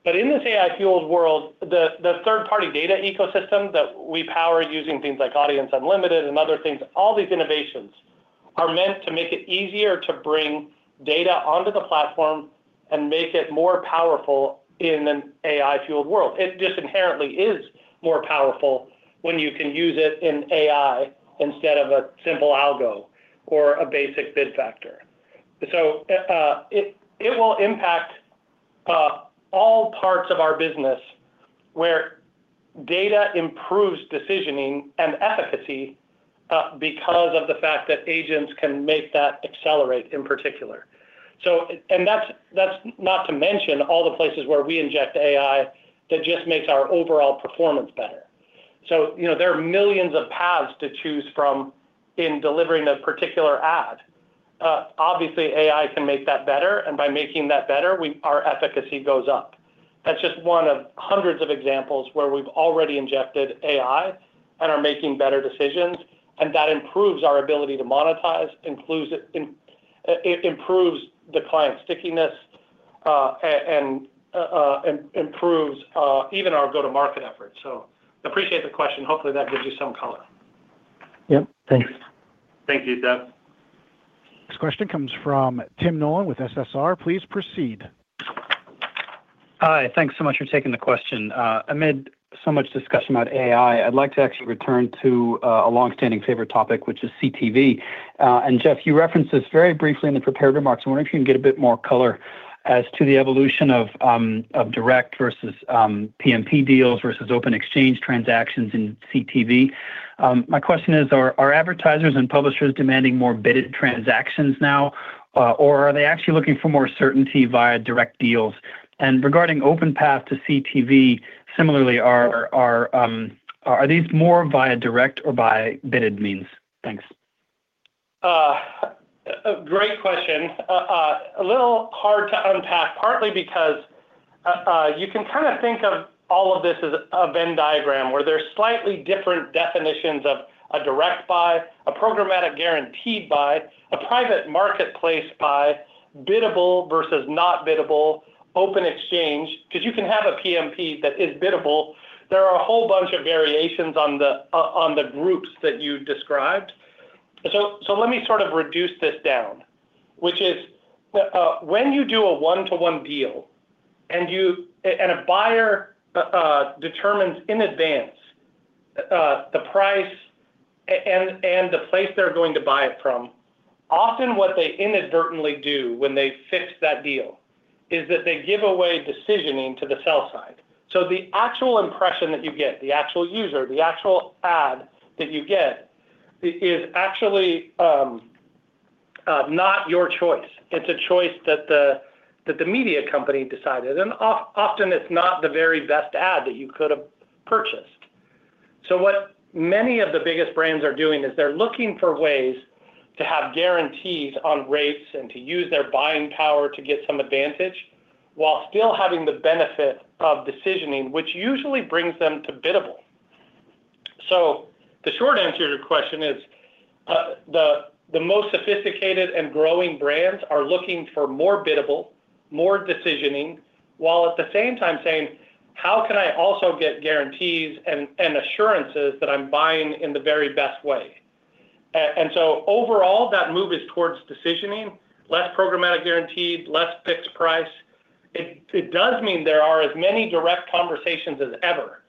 In this AI-fueled world, the third-party data ecosystem that we power using things like Audience Unlimited and other things, all these innovations are meant to make it easier to bring data onto the platform and make it more powerful in an AI-fueled world. It just inherently is more powerful when you can use it in AI instead of a simple algo or a basic bid factor. It will impact all parts of our business where data improves decisioning and efficacy because of the fact that agents can make that accelerate in particular. That's not to mention all the places where we inject AI that just makes our overall performance better. You know, there are millions of paths to choose from in delivering a particular ad. Obviously, AI can make that better, and by making that better, our efficacy goes up. That's just one of hundreds of examples where we've already injected AI and are making better decisions, and that improves our ability to monetize, it improves the client stickiness, and improves even our go-to-market efforts. Appreciate the question. Hopefully, that gives you some color. Yep. Thanks. Thank you, Youssef. Next question comes from Tim Nollen with SSR. Please proceed. Hi, thanks so much for taking the question. Amid so much discussion about AI, I'd like to actually return to a long-standing favorite topic, which is CTV. Jeff, you referenced this very briefly in the prepared remarks. I wonder if you can get a bit more color as to the evolution of direct versus PMP deals versus open exchange transactions in CTV. My question is, are advertisers and publishers demanding more bidded transactions now, or are they actually looking for more certainty via direct deals? Regarding OpenPath to CTV, similarly, are these more via direct or by bidded means? Thanks. A great question. A little hard to unpack, partly because you can kind of think of all of this as a Venn diagram, where there's slightly different definitions of a direct buy, a programmatic guaranteed buy, a private marketplace buy, biddable versus not biddable, open exchange, because you can have a PMP that is biddable. There are a whole bunch of variations on the groups that you described. Let me sort of reduce this down, which is, when you do a one-to-one deal and a buyer determines in advance the price and the place they're going to buy it from, often what they inadvertently do when they fix that deal is that they give away decisioning to the sell side. The actual impression that you get, the actual user, the actual ad that you get is actually not your choice. It's a choice that the media company decided, and often it's not the very best ad that you could have purchased. What many of the biggest brands are doing is they're looking for ways to have guarantees on rates and to use their buying power to get some advantage while still having the benefit of decisioning, which usually brings them to biddable. The short answer to your question is the most sophisticated and growing brands are looking for more biddable, more decisioning, while at the same time saying: How can I also get guarantees and assurances that I'm buying in the very best way? Overall, that move is towards decisioning, less programmatic guaranteed, less fixed price. It does mean there are as many direct conversations as ever,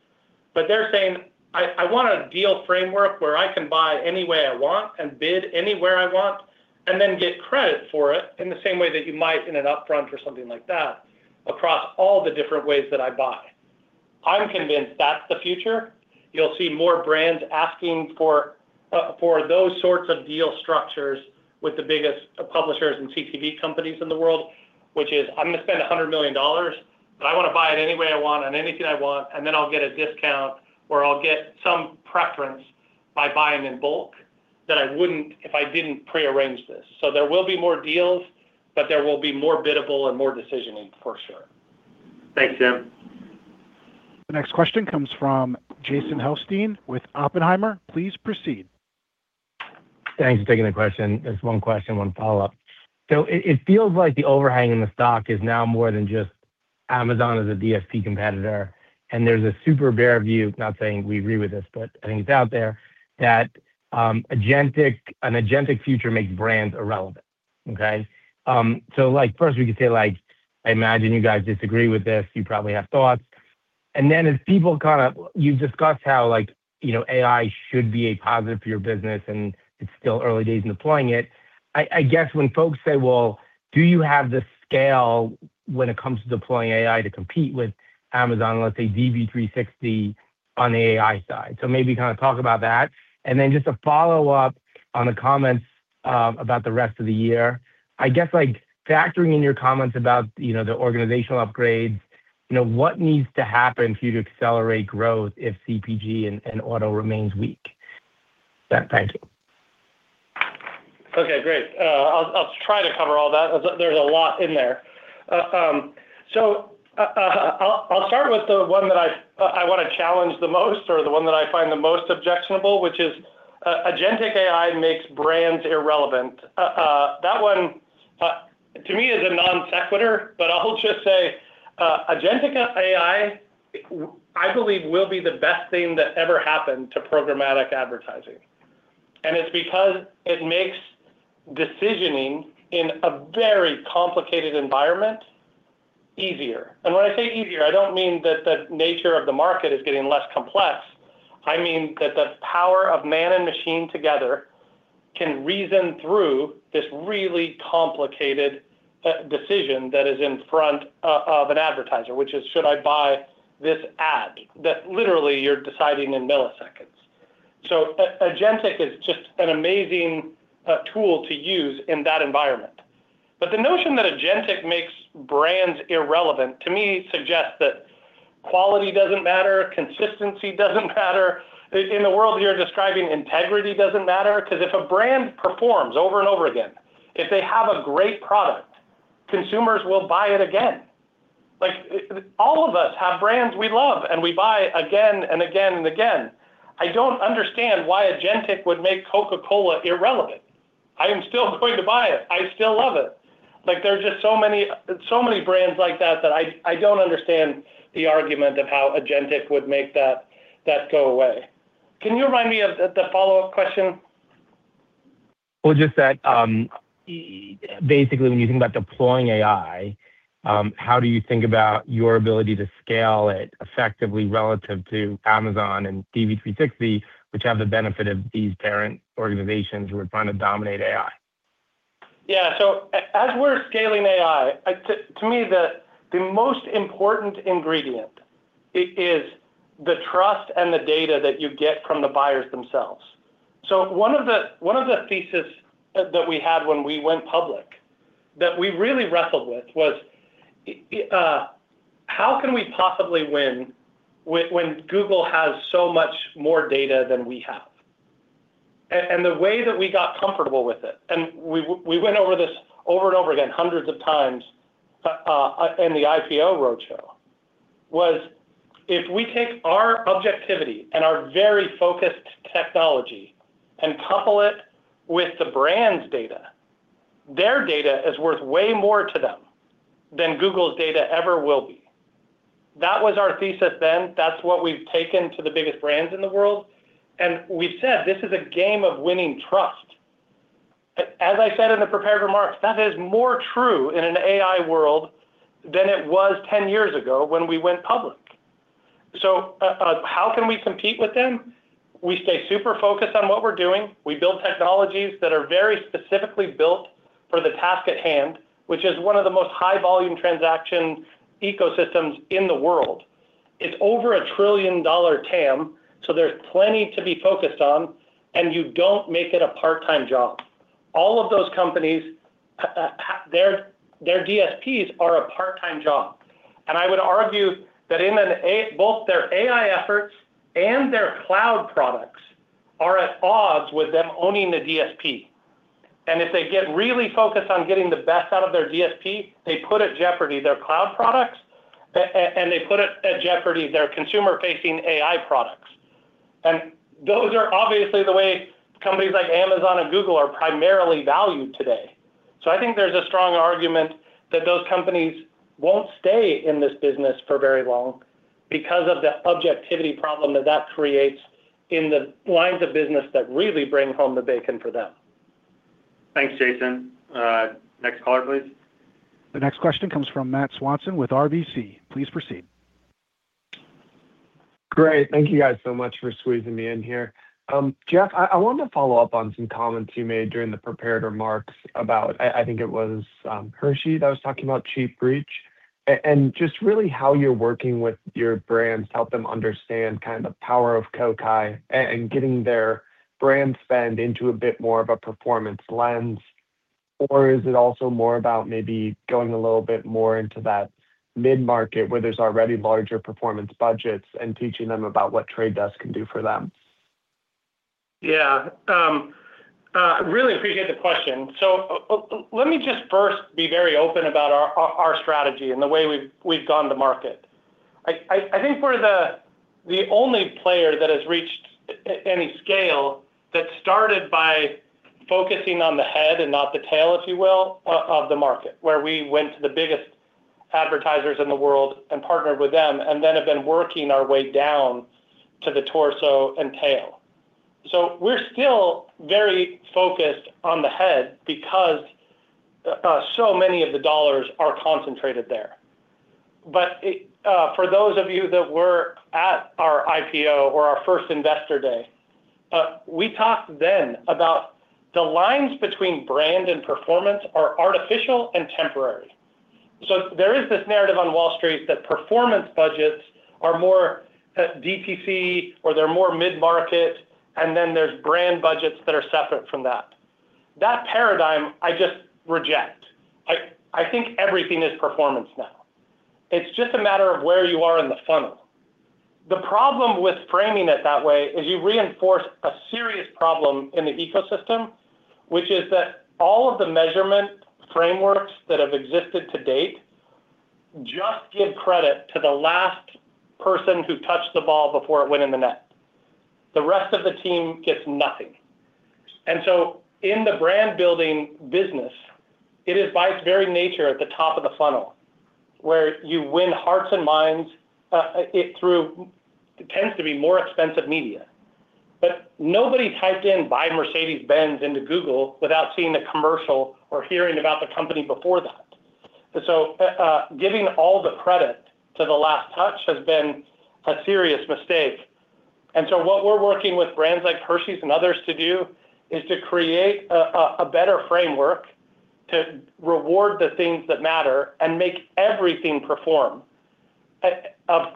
they're saying, "I want a deal framework where I can buy any way I want and bid anywhere I want, and then get credit for it in the same way that you might in an upfront or something like that, across all the different ways that I buy." I'm convinced that's the future. You'll see more brands asking for those sorts of deal structures with the biggest publishers and CTV companies in the world, which is: I'm going to spend $100 million, I want to buy it any way I want and anything I want, and then I'll get a discount or I'll get some preference. I buy them in bulk that I wouldn't if I didn't prearrange this. There will be more deals, but there will be more biddable and more decisioning, for sure. Thanks, Jim. The next question comes from Jason Helfstein with Oppenheimer. Please proceed. Thanks for taking the question. It's one question, one follow-up. It feels like the overhang in the stock is now more than just Amazon as a DSP competitor, and there's a super bear view, not saying we agree with this, but I think it's out there, that an agentic future makes brands irrelevant. Okay? Like, first we could say, like, I imagine you guys disagree with this. You probably have thoughts. As people You've discussed how like, you know, AI should be a positive for your business, and it's still early days in deploying it. I guess when folks say, "Well, do you have the scale when it comes to deploying AI to compete with Amazon, let's say DV360 on the AI side?" Maybe kind of talk about that. Then just a follow-up on the comments about the rest of the year. I guess, like, factoring in your comments about, you know, the organizational upgrades, you know, what needs to happen for you to accelerate growth if CPG and auto remains weak? Yeah. Thank you. Okay, great. I'll try to cover all that. There's a lot in there. I'll start with the one that I want to challenge the most, or the one that I find the most objectionable, which is, agentic AI makes brands irrelevant. That one to me is a non-sequitur, but I'll just say, agentic AI, I believe, will be the best thing that ever happened to programmatic advertising. It's because it makes decisioning in a very complicated environment easier. When I say easier, I don't mean that the nature of the market is getting less complex. I mean that the power of man and machine together can reason through this really complicated decision that is in front of an advertiser, which is, should I buy this ad? That literally you're deciding in milliseconds. Agentic is just an amazing tool to use in that environment. The notion that agentic makes brands irrelevant, to me, suggests that quality doesn't matter, consistency doesn't matter. In the world you're describing, integrity doesn't matter. If a brand performs over and over again, if they have a great product, consumers will buy it again. Like, all of us have brands we love and we buy again and again and again. I don't understand why agentic would make Coca-Cola irrelevant. I am still going to buy it. I still love it. Like, there are just so many brands like that I don't understand the argument of how agentic would make that go away. Can you remind me of the follow-up question? Just that, basically, when you think about deploying AI, how do you think about your ability to scale it effectively relative to Amazon and DB three sixty, which have the benefit of these parent organizations who are trying to dominate AI? Yeah, as we're scaling AI, to me, the most important ingredient is the trust and the data that you get from the buyers themselves. One of the thesis that we had when we went public, that we really wrestled with, was, how can we possibly win when Google has so much more data than we have? The way that we got comfortable with it, and we went over this over and over again hundreds of times in the IPO roadshow, was if we take our objectivity and our very focused technology and couple it with the brand's data, their data is worth way more to them than Google's data ever will be. That was our thesis then, that's what we've taken to the biggest brands in the world, and we've said this is a game of winning trust. As I said in the prepared remarks, that is more true in an AI world than it was 10 years ago when we went public. How can we compete with them? We stay super focused on what we're doing. We build technologies that are very specifically built for the task at hand, which is one of the most high-volume transaction ecosystems in the world. It's over a trillion-dollar TAM, so there's plenty to be focused on, and you don't make it a part-time job. All of those companies, their DSPs are a part-time job. I would argue that in an AI both their AI efforts and their cloud products are at odds with them owning the DSP. If they get really focused on getting the best out of their DSP, they put at jeopardy their cloud products, and they put at jeopardy their consumer-facing AI products. Those are obviously the way companies like Amazon and Google are primarily valued today. I think there's a strong argument that those companies won't stay in this business for very long because of the objectivity problem that that creates in the lines of business that really bring home the bacon for them. Thanks, Jason. Next caller, please. The next question comes from Matthew Swanson with RBC. Please proceed. Great. Thank you guys so much for squeezing me in here. Jeff, I wanted to follow up on some comments you made during the prepared remarks about... I think it was Hershey that was talking about cheap reach, and just really how you're working with your brands to help them understand kind of the power of Kokai and getting their brand spend into a bit more of a performance lens.... or is it also more about maybe going a little bit more into that mid-market, where there's already larger performance budgets, and teaching them about what The Trade Desk can do for them? Yeah. Really appreciate the question. Let me just first be very open about our strategy and the way we've gone to market. I think we're the only player that has reached any scale that started by focusing on the head and not the tail, if you will, of the market, where we went to the biggest advertisers in the world and partnered with them, and then have been working our way down to the torso and tail. We're still very focused on the head because so many of the dollars are concentrated there. For those of you that were at our IPO or our first investor day, we talked then about the lines between brand and performance are artificial and temporary. There is this narrative on Wall Street that performance budgets are more DPC or they're more mid-market, and then there's brand budgets that are separate from that. That paradigm, I just reject. I think everything is performance now. It's just a matter of where you are in the funnel. The problem with framing it that way is you reinforce a serious problem in the ecosystem, which is that all of the measurement frameworks that have existed to date just give credit to the last person who touched the ball before it went in the net. The rest of the team gets nothing. In the brand-building business, it is by its very nature at the top of the funnel, where you win hearts and minds, tends to be more expensive media. Nobody typed in, "Buy Mercedes-Benz," into Google without seeing the commercial or hearing about the company before that. Giving all the credit to the last touch has been a serious mistake. What we're working with brands like Hershey's and others to do is to create a better framework to reward the things that matter and make everything perform. Of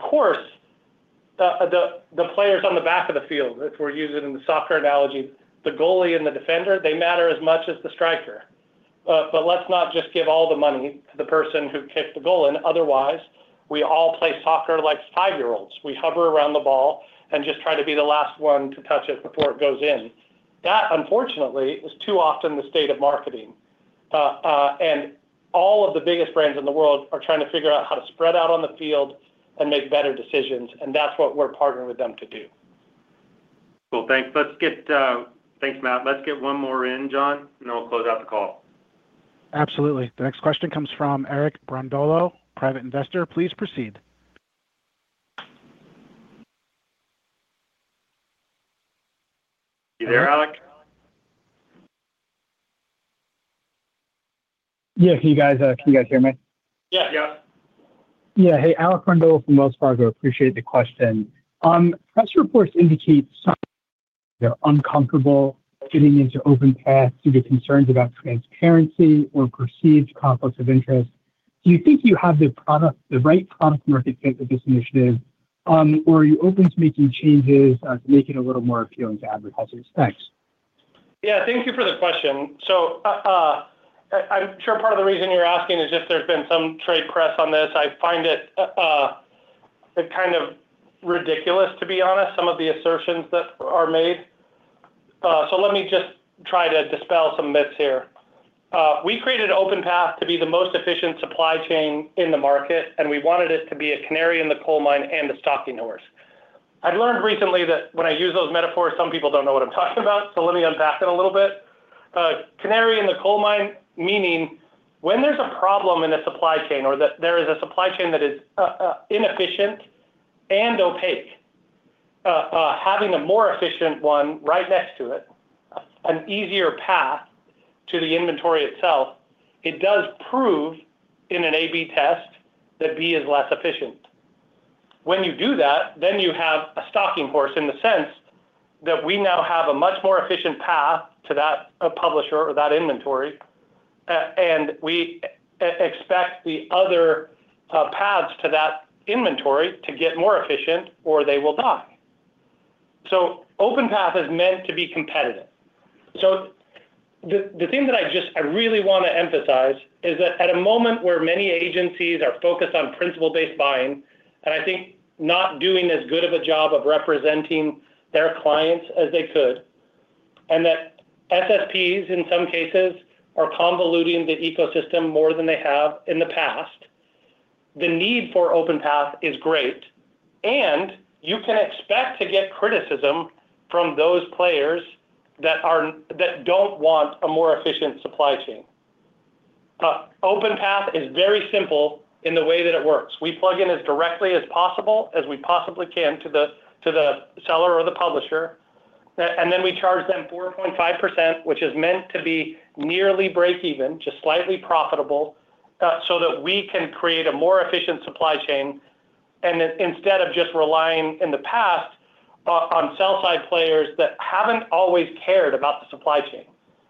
course, the players on the back of the field, if we're using the soccer analogy, the goalie and the defender, they matter as much as the striker. Let's not just give all the money to the person who kicked the goal in. Otherwise, we all play soccer like 5-year-olds. We hover around the ball and just try to be the last one to touch it before it goes in. That, unfortunately, is too often the state of marketing. All of the biggest brands in the world are trying to figure out how to spread out on the field and make better decisions. That's what we're partnering with them to do. Cool, thanks. Let's get. Thanks, Matt. Let's get one more in, John, and then we'll close out the call. Absolutely. The next question comes from Alec Brondolo, private investor. Please proceed. You there, Alec? Yeah, can you guys, can you guys hear me? Yeah. Yeah. Yeah. Hey, Alec Brondolo from Wells Fargo. Appreciate the question. Press reports indicate they're uncomfortable getting into OpenPath due to concerns about transparency or perceived conflicts of interest. Do you think you have the right product market fit for this initiative, or are you open to making changes to make it a little more appealing to advertisers? Thanks. Yeah, thank you for the question. I'm sure part of the reason you're asking is just there's been some trade press on this. I find it kind of ridiculous, to be honest, some of the assertions that are made. Let me just try to dispel some myths here. We created OpenPath to be the most efficient supply chain in the market, and we wanted it to be a canary in the coal mine and the stalking horse. I've learned recently that when I use those metaphors, some people don't know what I'm talking about, so let me unpack it a little bit. Canary in the coal mine, meaning when there's a problem in the supply chain or that there is a supply chain that is inefficient and opaque, having a more efficient one right next to it, an easier path to the inventory itself, it does prove in an AB test that B is less efficient. When you do that, then you have a stalking horse in the sense that we now have a much more efficient path to that publisher or that inventory, and we expect the other paths to that inventory to get more efficient or they will die. OpenPath is meant to be competitive. The thing that I really want to emphasize is that at a moment where many agencies are focused on principle-based buying, and I think not doing as good of a job of representing their clients as they could, and that SSPs, in some cases, are convoluting the ecosystem more than they have in the past, the need for OpenPath is great, and you can expect to get criticism from those players that don't want a more efficient supply chain. OpenPath is very simple in the way that it works. We plug in as directly as possible, as we possibly can to the seller or the publisher, and then we charge them 4.5%, which is meant to be nearly break even, just slightly profitable, so that we can create a more efficient supply chain, and instead of just relying in the past, on sell-side players that haven't always cared about the supply chain.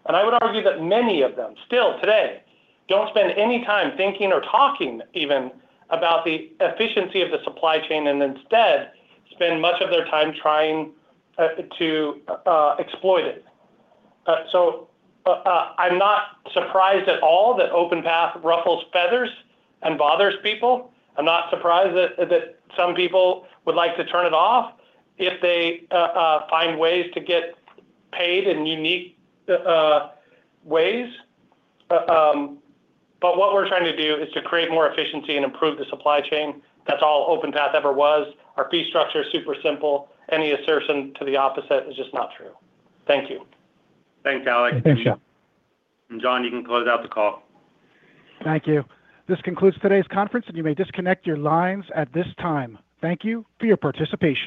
I would argue that many of them still today don't spend any time thinking or talking even about the efficiency of the supply chain, and instead, spend much of their time trying, to, exploit it. I'm not surprised at all that OpenPath ruffles feathers and bothers people. I'm not surprised that some people would like to turn it off if they find ways to get paid in unique ways. What we're trying to do is to create more efficiency and improve the supply chain. That's all OpenPath ever was. Our fee structure is super simple. Any assertion to the opposite is just not true. Thank you. Thanks, Alec. Thanks, Jeff. John, you can close out the call. Thank you. This concludes today's conference, and you may disconnect your lines at this time. Thank you for your participation.